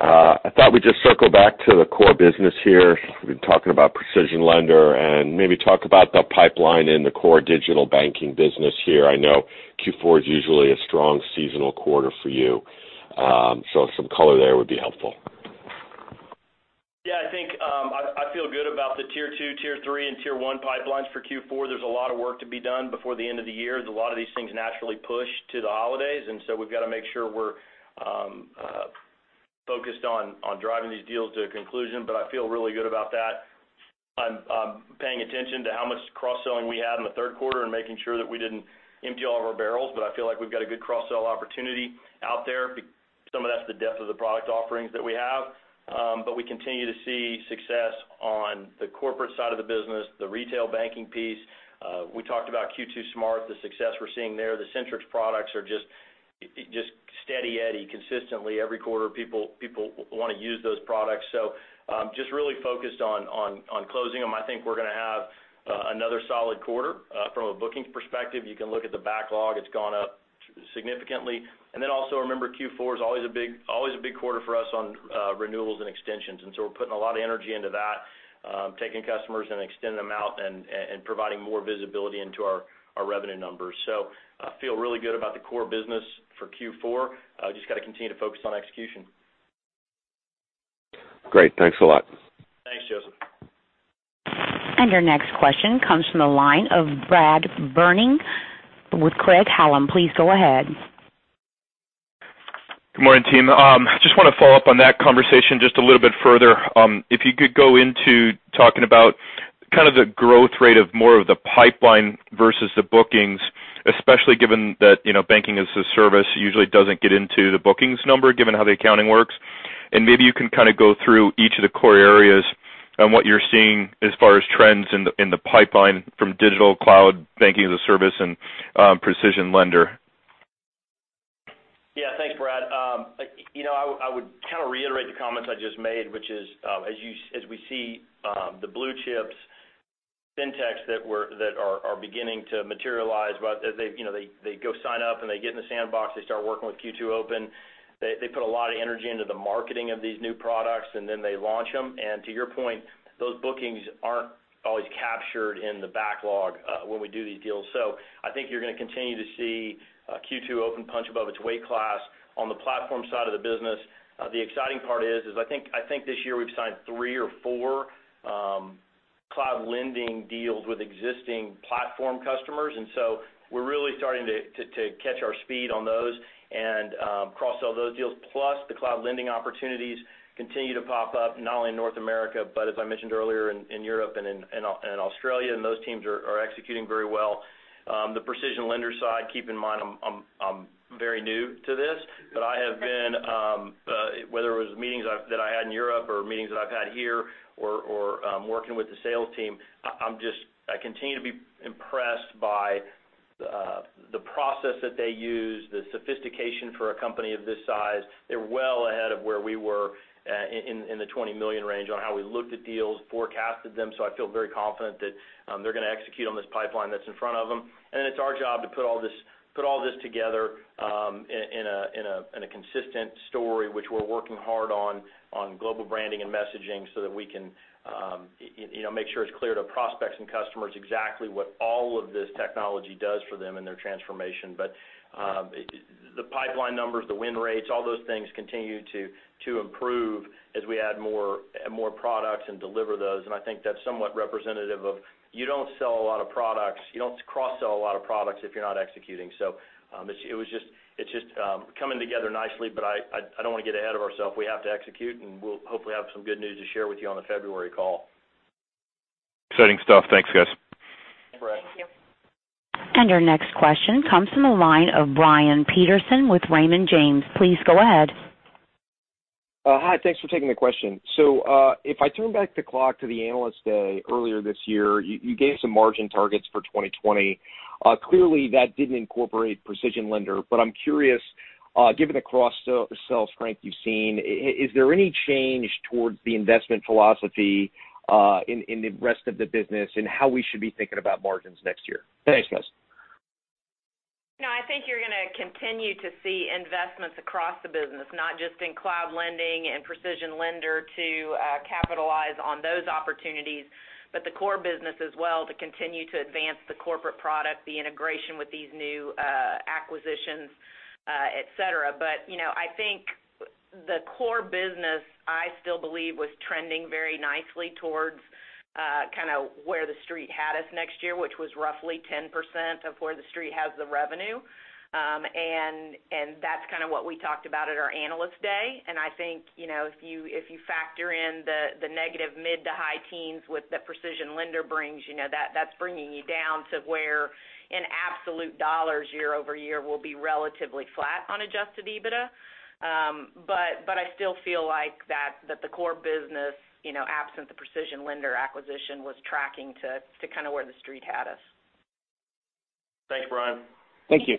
I thought we'd just circle back to the core business here. We've been talking about PrecisionLender and maybe talk about the pipeline in the core digital banking business here. I know Q4 is usually a strong seasonal quarter for you. Some color there would be helpful. I think, I feel good about the Tier 2, Tier 3, and Tier 1 pipelines for Q4. There's a lot of work to be done before the end of the year. There's a lot of these things naturally pushed to the holidays, we've got to make sure we're focused on driving these deals to a conclusion. I feel really good about that. I'm paying attention to how much cross-selling we had in the third quarter and making sure that we didn't empty all of our barrels, I feel like we've got a good cross-sell opportunity out there. Some of that's the depth of the product offerings that we have. We continue to see success on the corporate side of the business, the retail banking piece. We talked about Q2 SMART, the success we're seeing there. The Centrix products are just steady eddy consistently every quarter. People want to use those products. Just really focused on closing them. I think we're going to have another solid quarter. From a bookings perspective, you can look at the backlog. It's gone up significantly. Also remember, Q4 is always a big quarter for us on renewals and extensions. We're putting a lot of energy into that, taking customers and extending them out, and providing more visibility into our revenue numbers. I feel really good about the core business for Q4. Just got to continue to focus on execution. Great. Thanks a lot. Thanks, Joseph. Your next question comes from the line of Brad Berning with Craig-Hallum. Please go ahead. Good morning, team. I just want to follow up on that conversation just a little bit further. If you could go into talking about, kind of the growth rate of more of the pipeline versus the bookings, especially given that Banking-as-a-Service usually doesn't get into the bookings number, given how the accounting works. Maybe you can kind of go through each of the core areas and what you're seeing as far as trends in the pipeline from Digital Cloud, Banking-as-a-Service, and PrecisionLender. Yeah. Thanks, Brad. I would kind of reiterate the comments I just made, which is, as we see the blue chips, fintechs that are beginning to materialize. They go sign up, and they get in the sandbox. They start working with Q2 Open. They put a lot of energy into the marketing of these new products, and then they launch them. To your point, those bookings aren't always captured in the backlog when we do these deals. I think you're going to continue to see Q2 Open punch above its weight class on the platform side of the business. The exciting part is, I think this year we've signed three or four Cloud Lending deals with existing platform customers, and so we're really starting to catch our speed on those and cross-sell those deals. Plus, the Cloud Lending opportunities continue to pop up, not only in North America, but as I mentioned earlier, in Europe and in Australia, and those teams are executing very well. The PrecisionLender side, keep in mind, I'm very new to this, but I have been, whether it was meetings that I had in Europe or meetings that I've had here or working with the sales team, I continue to be impressed by the process that they use, the sophistication for a company of this size. They're well ahead of where we were in the $20 million range on how we looked at deals, forecasted them. I feel very confident that they're going to execute on this pipeline that's in front of them. It's our job to put all this together in a consistent story, which we're working hard on global branding and messaging so that we can make sure it's clear to prospects and customers exactly what all of this technology does for them and their transformation. The pipeline numbers, the win rates, all those things continue to improve as we add more products and deliver those. I think that's somewhat representative of you don't cross-sell a lot of products if you're not executing. It's just coming together nicely, but I don't want to get ahead of ourself. We have to execute, and we'll hopefully have some good news to share with you on the February call. Exciting stuff. Thanks, guys. Thanks, Brad. Thank you. Our next question comes from the line of Brian Peterson with Raymond James. Please go ahead. Hi, thanks for taking the question. If I turn back the clock to the Analyst Day earlier this year, you gave some margin targets for 2020. Clearly, that didn't incorporate PrecisionLender. I'm curious, given the cross-sell strength you've seen, is there any change towards the investment philosophy in the rest of the business and how we should be thinking about margins next year? Thanks, guys. No, I think you're going to continue to see investments across the business, not just in Cloud Lending and PrecisionLender to capitalize on those opportunities, but the core business as well to continue to advance the corporate product, the integration with these new acquisitions, et cetera. I think the core business, I still believe, was trending very nicely towards kind of where The Street had us next year, which was roughly 10% of where The Street has the revenue. That's kind of what we talked about at our Analyst Day. I think, if you factor in the negative mid to high teens with the PrecisionLender brings, that's bringing you down to where in absolute dollars, year-over-year will be relatively flat on adjusted EBITDA. I still feel like that the core business, absent the PrecisionLender acquisition, was tracking to kind of where The Street had us. Thanks, Brian. Thank you.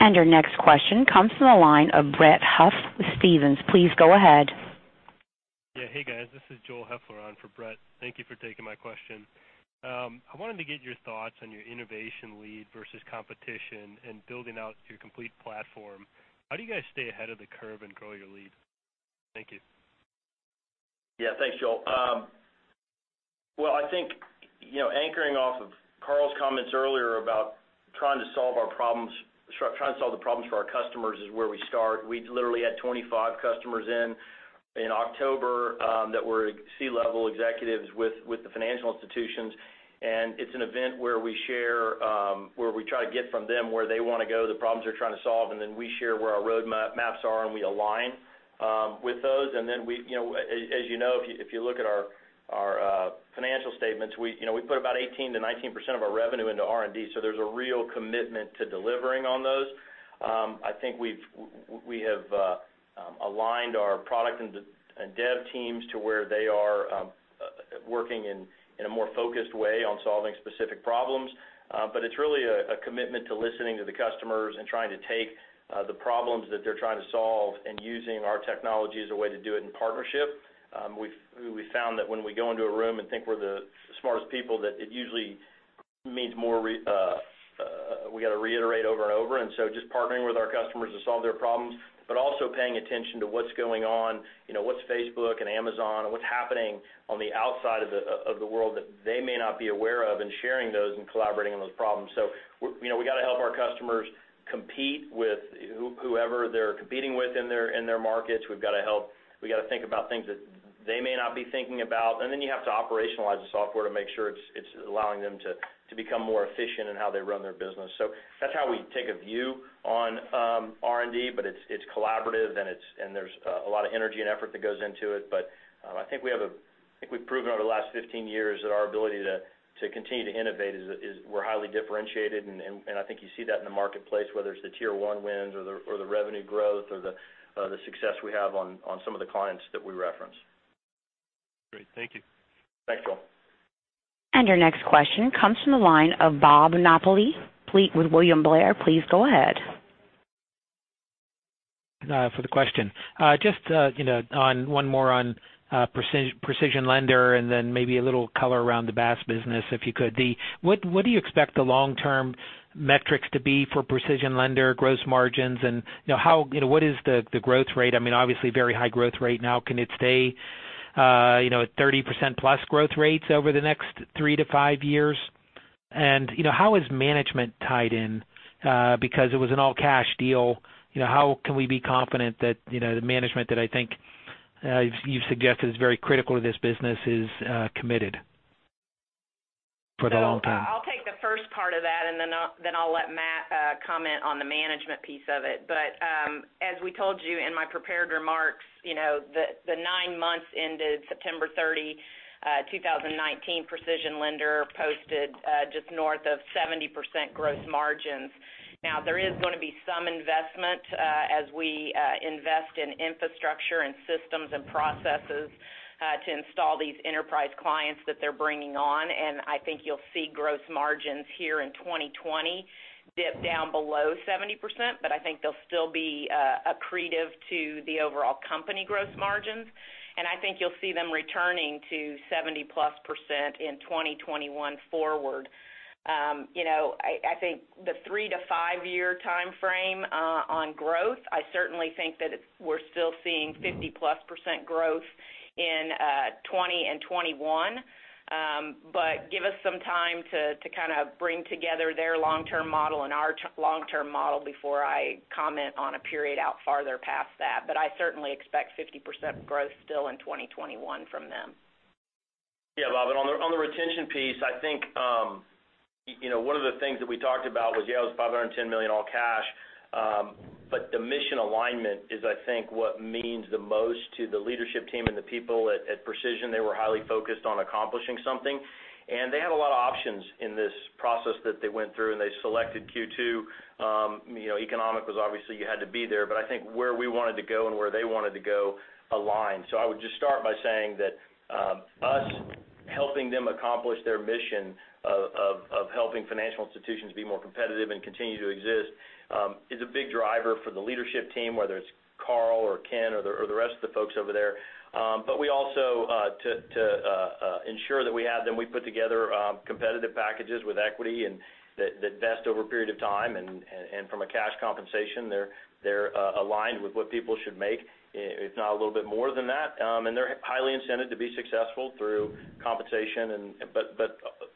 Our next question comes from the line of Brett Huff with Stephens. Please go ahead. Yeah. Hey, guys. This is Joel Heffler on for Brett. Thank you for taking my question. I wanted to get your thoughts on your innovation lead versus competition and building out your complete platform. How do you guys stay ahead of the curve and grow your lead? Thank you. Yeah. Thanks, Joel. I think anchoring off of Carl's comments earlier about trying to solve the problems for our customers is where we start. We literally had 25 customers in October that were C-level executives with the financial institutions. It's an event where we try to get from them where they want to go, the problems they're trying to solve, and then we share where our roadmaps are, and we align with those. As you know, if you look at our financial statements, we put about 18%-19% of our revenue into R&D. There's a real commitment to delivering on those. I think we have aligned our product and dev teams to where they are working in a more focused way on solving specific problems. It's really a commitment to listening to the customers and trying to take the problems that they're trying to solve and using our technology as a way to do it in partnership. We found that when we go into a room and think we're the smartest people, that it usually means we got to reiterate over and over, and so just partnering with our customers to solve their problems, but also paying attention to what's going on, what's Facebook and Amazon, and what's happening on the outside of the world that they may not be aware of, and sharing those and collaborating on those problems. We got to help our customers compete with whoever they're competing with in their markets. We got to think about things that they may not be thinking about. Then you have to operationalize software to make sure it's allowing them to become more efficient in how they run their business. That's how we take a view on R&D, but it's collaborative, and there's a lot of energy and effort that goes into it. I think we've proven over the last 15 years that our ability to continue to innovate is we're highly differentiated, and I think you see that in the marketplace, whether it's the Tier-1 wins or the revenue growth or the success we have on some of the clients that we reference. Great. Thank you. Thanks, Joel. Your next question comes from the line of Bob Napoli with William Blair. Please go ahead. For the question. Just one more on PrecisionLender and then maybe a little color around the BaaS business, if you could. What do you expect the long-term metrics to be for PrecisionLender gross margins? What is the growth rate? Obviously, very high growth rate now. Can it stay at 30%-plus growth rates over the next three to five years? How is management tied in? Because it was an all-cash deal, how can we be confident that the management that I think you've suggested is very critical to this business is committed for the long term? I'll take the first part of that, and then I'll let Matt comment on the management piece of it. As we told you in my prepared remarks, the nine months ended September 30, 2019, PrecisionLender posted just north of 70% gross margins. There is going to be some investment as we invest in infrastructure and systems and processes to install these enterprise clients that they're bringing on. I think you'll see gross margins here in 2020 dip down below 70%, but I think they'll still be accretive to the overall company gross margins. I think you'll see them returning to 70%+ in 2021 forward. I think the three-to-five-year timeframe on growth, I certainly think that we're still seeing 50%+ growth in 2020 and 2021. Give us some time to bring together their long-term model and our long-term model before I comment on a period out farther past that. I certainly expect 50% growth still in 2021 from them. Yeah, Bob. On the retention piece, I think one of the things that we talked about was, yeah, it was $510 million all cash. The mission alignment is, I think, what means the most to the leadership team and the people at Precision. They were highly focused on accomplishing something. They had a lot of options in this process that they went through, and they selected Q2. Economic was obviously you had to be there, but I think where we wanted to go and where they wanted to go aligned. I would just start by saying that us helping them accomplish their mission of helping financial institutions be more competitive and continue to exist is a big driver for the leadership team, whether it's Carl or Ken or the rest of the folks over there. We also to ensure that we had them, we put together competitive packages with equity and the vest over a period of time, and from a cash compensation, they're aligned with what people should make, if not a little bit more than that. They're highly incented to be successful through compensation.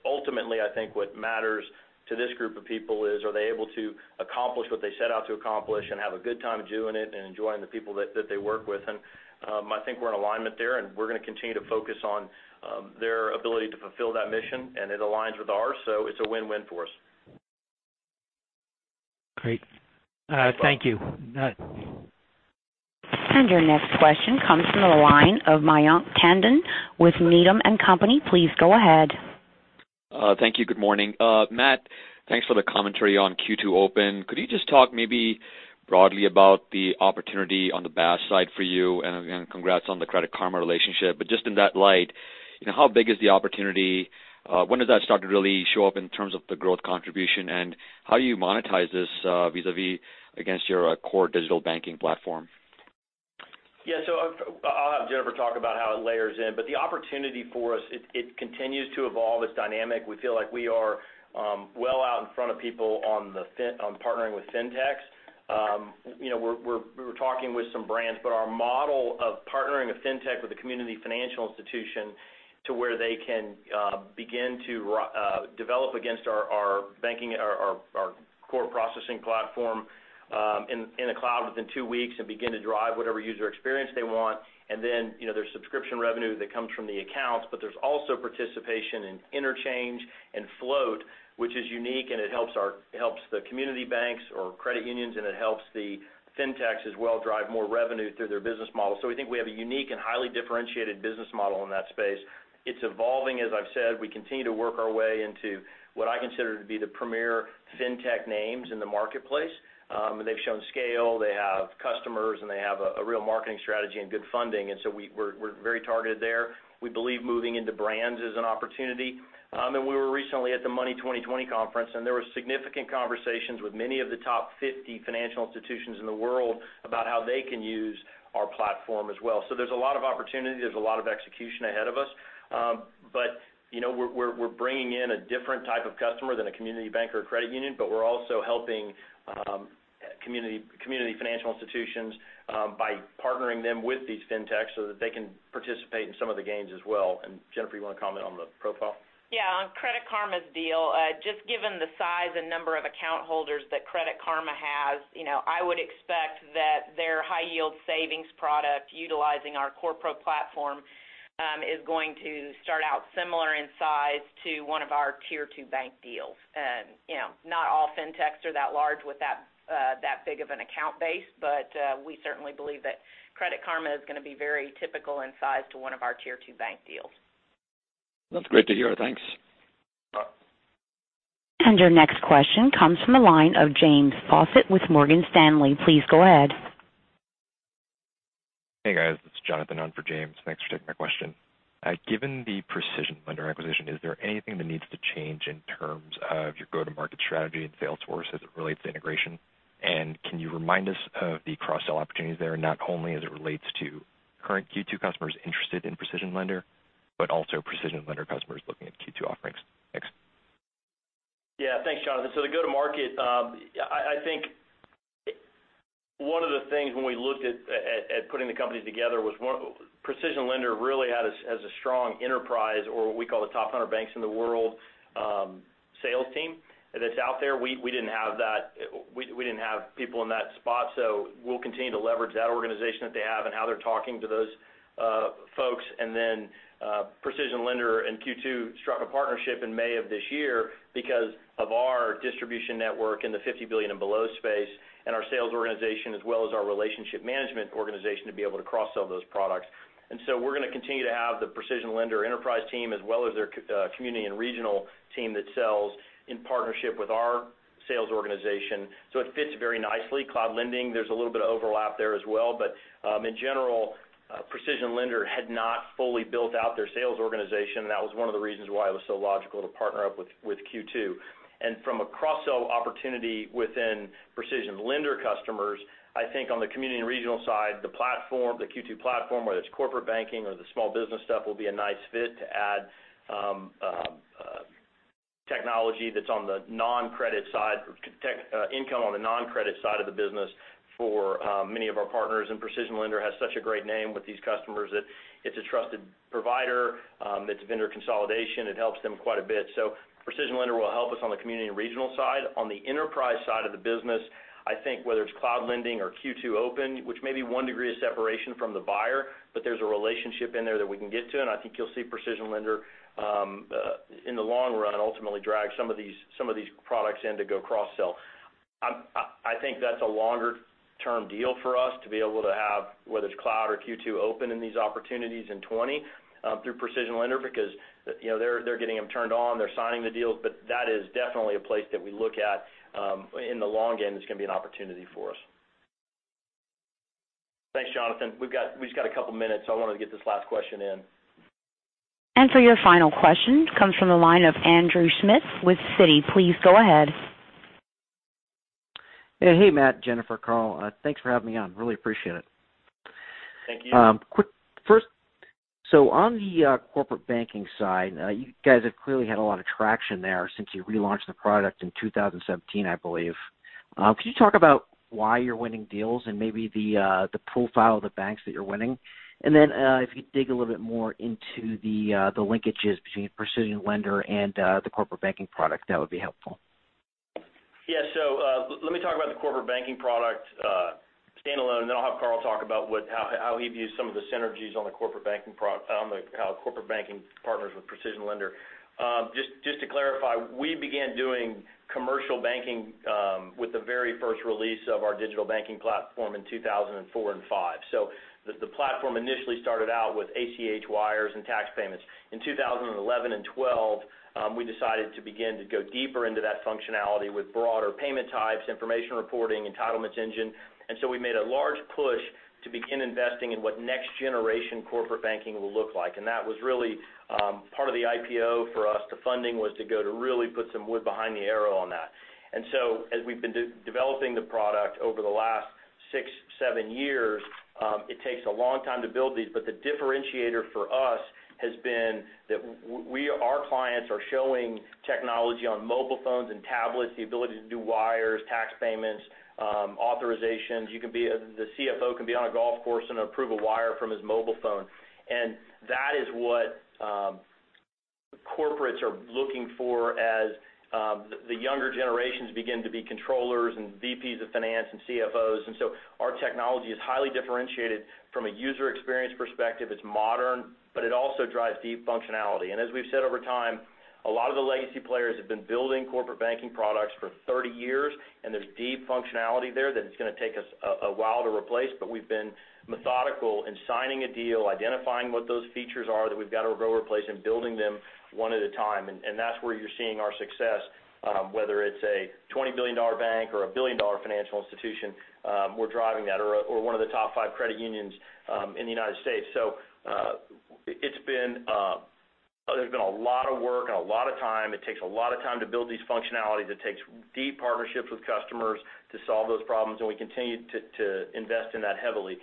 Ultimately, I think what matters to this group of people is, are they able to accomplish what they set out to accomplish and have a good time doing it and enjoying the people that they work with? I think we're in alignment there, and we're going to continue to focus on their ability to fulfill that mission, and it aligns with ours, so it's a win-win for us. Great. Thank you. Your next question comes from the line of Mayank Tandon with Needham & Company. Please go ahead. Thank you. Good morning. Matt, thanks for the commentary on Q2 Open. Could you just talk maybe broadly about the opportunity on the BaaS side for you? Congrats on the Credit Karma relationship. Just in that light, how big is the opportunity? When does that start to really show up in terms of the growth contribution? How do you monetize this vis-a-vis against your core digital banking platform? Yeah. I'll have Jennifer talk about how it layers in. The opportunity for us, it continues to evolve. It's dynamic. We feel like we are well out in front of people on partnering with fintechs. We're talking with some brands, but our model of partnering a fintech with a community financial institution to where they can begin to develop against our Core Processing platform in the cloud within two weeks and begin to drive whatever user experience they want. There's subscription revenue that comes from the accounts, but there's also participation in interchange and float, which is unique, and it helps the community banks or credit unions, and it helps the fintechs as well drive more revenue through their business model. We think we have a unique and highly differentiated business model in that space. It's evolving, as I've said. We continue to work our way into what I consider to be the premier fintech names in the marketplace. They've shown scale, they have customers, and they have a real marketing strategy and good funding. We're very targeted there. We believe moving into brands is an opportunity. We were recently at the Money20/20 conference, and there were significant conversations with many of the top 50 financial institutions in the world about how they can use our platform as well. There's a lot of opportunity. There's a lot of execution ahead of us. We're bringing in a different type of customer than a community bank or a credit union, but we're also helping community financial institutions by partnering them with these fintechs so that they can participate in some of the gains as well. Jennifer, you want to comment on the profile? Yeah. On Credit Karma's deal, just given the size and number of account holders that Credit Karma has, I would expect that their high-yield savings product utilizing our CorePro platform, is going to start out similar in size to one of our Tier 2 bank deals. Not all fintechs are that large with that big of an account base, but we certainly believe that Credit Karma is going to be very typical in size to one of our Tier 2 bank deals. That's great to hear. Thanks. Your next question comes from the line of James Faucette with Morgan Stanley. Please go ahead. Hey, guys. This is Jonathan on for James. Thanks for taking my question. Given the PrecisionLender acquisition, is there anything that needs to change in terms of your go-to-market strategy and sales force as it relates to integration? Can you remind us of the cross-sell opportunities there, not only as it relates to current Q2 customers interested in PrecisionLender, but also PrecisionLender customers looking at Q2 offerings? Thanks. Yeah. Thanks, Jonathan. The go-to market, I think one of the things when we looked at putting the company together was PrecisionLender really has a strong enterprise or what we call the top 100 banks in the world, sales team that's out there. We didn't have people in that spot, we'll continue to leverage that organization that they have and how they're talking to those folks. PrecisionLender and Q2 struck a partnership in May of this year because of our distribution network in the 50 billion and below space, and our sales organization as well as our relationship management organization to be able to cross-sell those products. We're going to continue to have the PrecisionLender enterprise team, as well as their community and regional team that sells in partnership with our sales organization. It fits very nicely. Cloud Lending, there's a little bit of overlap there as well. In general, PrecisionLender had not fully built out their sales organization, and that was one of the reasons why it was so logical to partner up with Q2. From a cross-sell opportunity within PrecisionLender customers, I think on the community and regional side, the Q2 platform, whether it's corporate banking or the small business stuff, will be a nice fit to add technology that's on the non-credit side, income on the non-credit side of the business for many of our partners. PrecisionLender has such a great name with these customers that it's a trusted provider. It's vendor consolidation. It helps them quite a bit. PrecisionLender will help us on the community and regional side. On the enterprise side of the business, I think whether it's Cloud Lending or Q2 Open, which may be one degree of separation from the buyer, but there's a relationship in there that we can get to. I think you'll see PrecisionLender, in the long run, ultimately drag some of these products in to go cross-sell. I think that's a longer-term deal for us to be able to have, whether it's cloud or Q2 Open in these opportunities in 2020 through PrecisionLender because they're getting them turned on, they're signing the deals. That is definitely a place that we look at, in the long end, it's going to be an opportunity for us. Thanks, Jonathan. We've just got a couple of minutes, I wanted to get this last question in. For your final question, comes from the line of Andrew Schmidt with Citi. Please go ahead. Yeah. Hey, Matt, Jennifer, Carl. Thanks for having me on. Really appreciate it. Thank you. On the corporate banking side, you guys have clearly had a lot of traction there since you relaunched the product in 2017, I believe. Could you talk about why you're winning deals and maybe the profile of the banks that you're winning? If you could dig a little bit more into the linkages between PrecisionLender and the corporate banking product, that would be helpful. Yeah. Let me talk about the corporate banking product standalone, and then I'll have Carl talk about how he views some of the synergies on the corporate banking partners with PrecisionLender. Just to clarify, we began doing commercial banking with the very first release of our digital banking platform in 2004 and 2005. The platform initially started out with ACH wires and tax payments. In 2011 and 2012, we decided to begin to go deeper into that functionality with broader payment types, information reporting, entitlements engine. We made a large push to begin investing in what next generation corporate banking will look like. That was really part of the IPO for us. The funding was to go to really put some wood behind the arrow on that. As we've been developing the product over the last six, seven years, it takes a long time to build these, but the differentiator for us has been that our clients are showing technology on mobile phones and tablets, the ability to do wires, tax payments, authorizations. The CFO can be on a golf course and approve a wire from his mobile phone. That is what corporates are looking for as the younger generations begin to be controllers and VPs of finance and CFOs. Our technology is highly differentiated from a user experience perspective. It's modern, but it also drives deep functionality. As we've said over time, a lot of the legacy players have been building corporate banking products for 30 years, and there's deep functionality there that it's going to take us a while to replace. We've been methodical in signing a deal, identifying what those features are that we've got to go replace, and building them one at a time. That's where you're seeing our success, whether it's a $20 billion bank or a $1 billion financial institution, we're driving that, or one of the top five credit unions in the U.S. There's been a lot of work and a lot of time. It takes a lot of time to build these functionalities. It takes deep partnerships with customers to solve those problems, and we continue to invest in that heavily.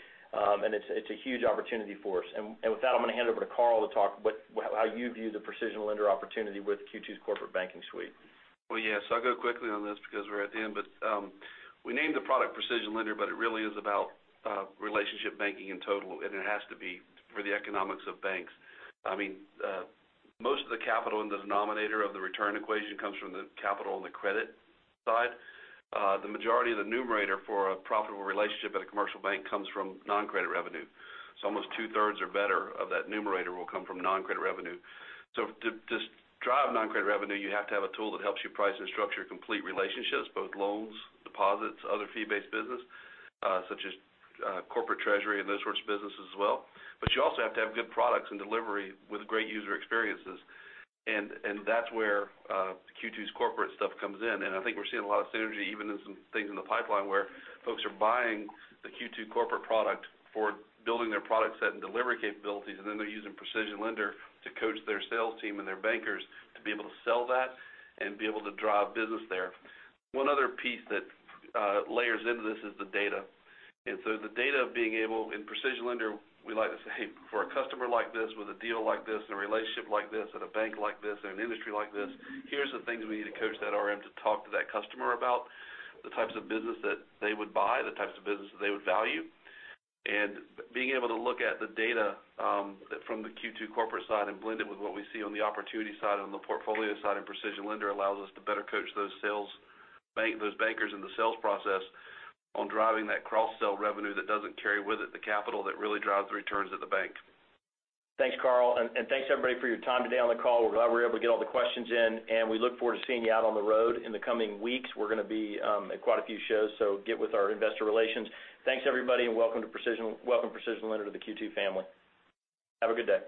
It's a huge opportunity for us. With that, I'm going to hand it over to Carl Ryden to talk how you view the PrecisionLender opportunity with Q2's corporate banking suite. Yeah. I'll go quickly on this because we're at the end. We named the product PrecisionLender, but it really is about relationship banking in total, and it has to be for the economics of banks. Most of the capital in the denominator of the return equation comes from the capital on the credit side. The majority of the numerator for a profitable relationship at a commercial bank comes from non-credit revenue. Almost two-thirds or better of that numerator will come from non-credit revenue. To drive non-credit revenue, you have to have a tool that helps you price and structure complete relationships, both loans, deposits, other fee-based business, such as corporate treasury and those sorts of businesses as well. You also have to have good products and delivery with great user experiences. That's where Q2's corporate stuff comes in. I think we're seeing a lot of synergy, even in some things in the pipeline where folks are buying the Q2 corporate product for building their product set and delivery capabilities, then they're using PrecisionLender to coach their sales team and their bankers to be able to sell that and be able to drive business there. One other piece that layers into this is the data. The data being able, in PrecisionLender, we like to say, for a customer like this with a deal like this and a relationship like this at a bank like this and an industry like this, here's the things we need to coach that RM to talk to that customer about the types of business that they would buy, the types of business that they would value. Being able to look at the data from the Q2 corporate side and blend it with what we see on the opportunity side and the portfolio side in PrecisionLender allows us to better coach those bankers in the sales process on driving that cross-sell revenue that doesn't carry with it the capital that really drives the returns at the bank. Thanks, Carl, and thanks, everybody, for your time today on the call. We're glad we were able to get all the questions in, and we look forward to seeing you out on the road in the coming weeks. We're going to be at quite a few shows, so get with our investor relations. Thanks, everybody, and welcome PrecisionLender to the Q2 family. Have a good day.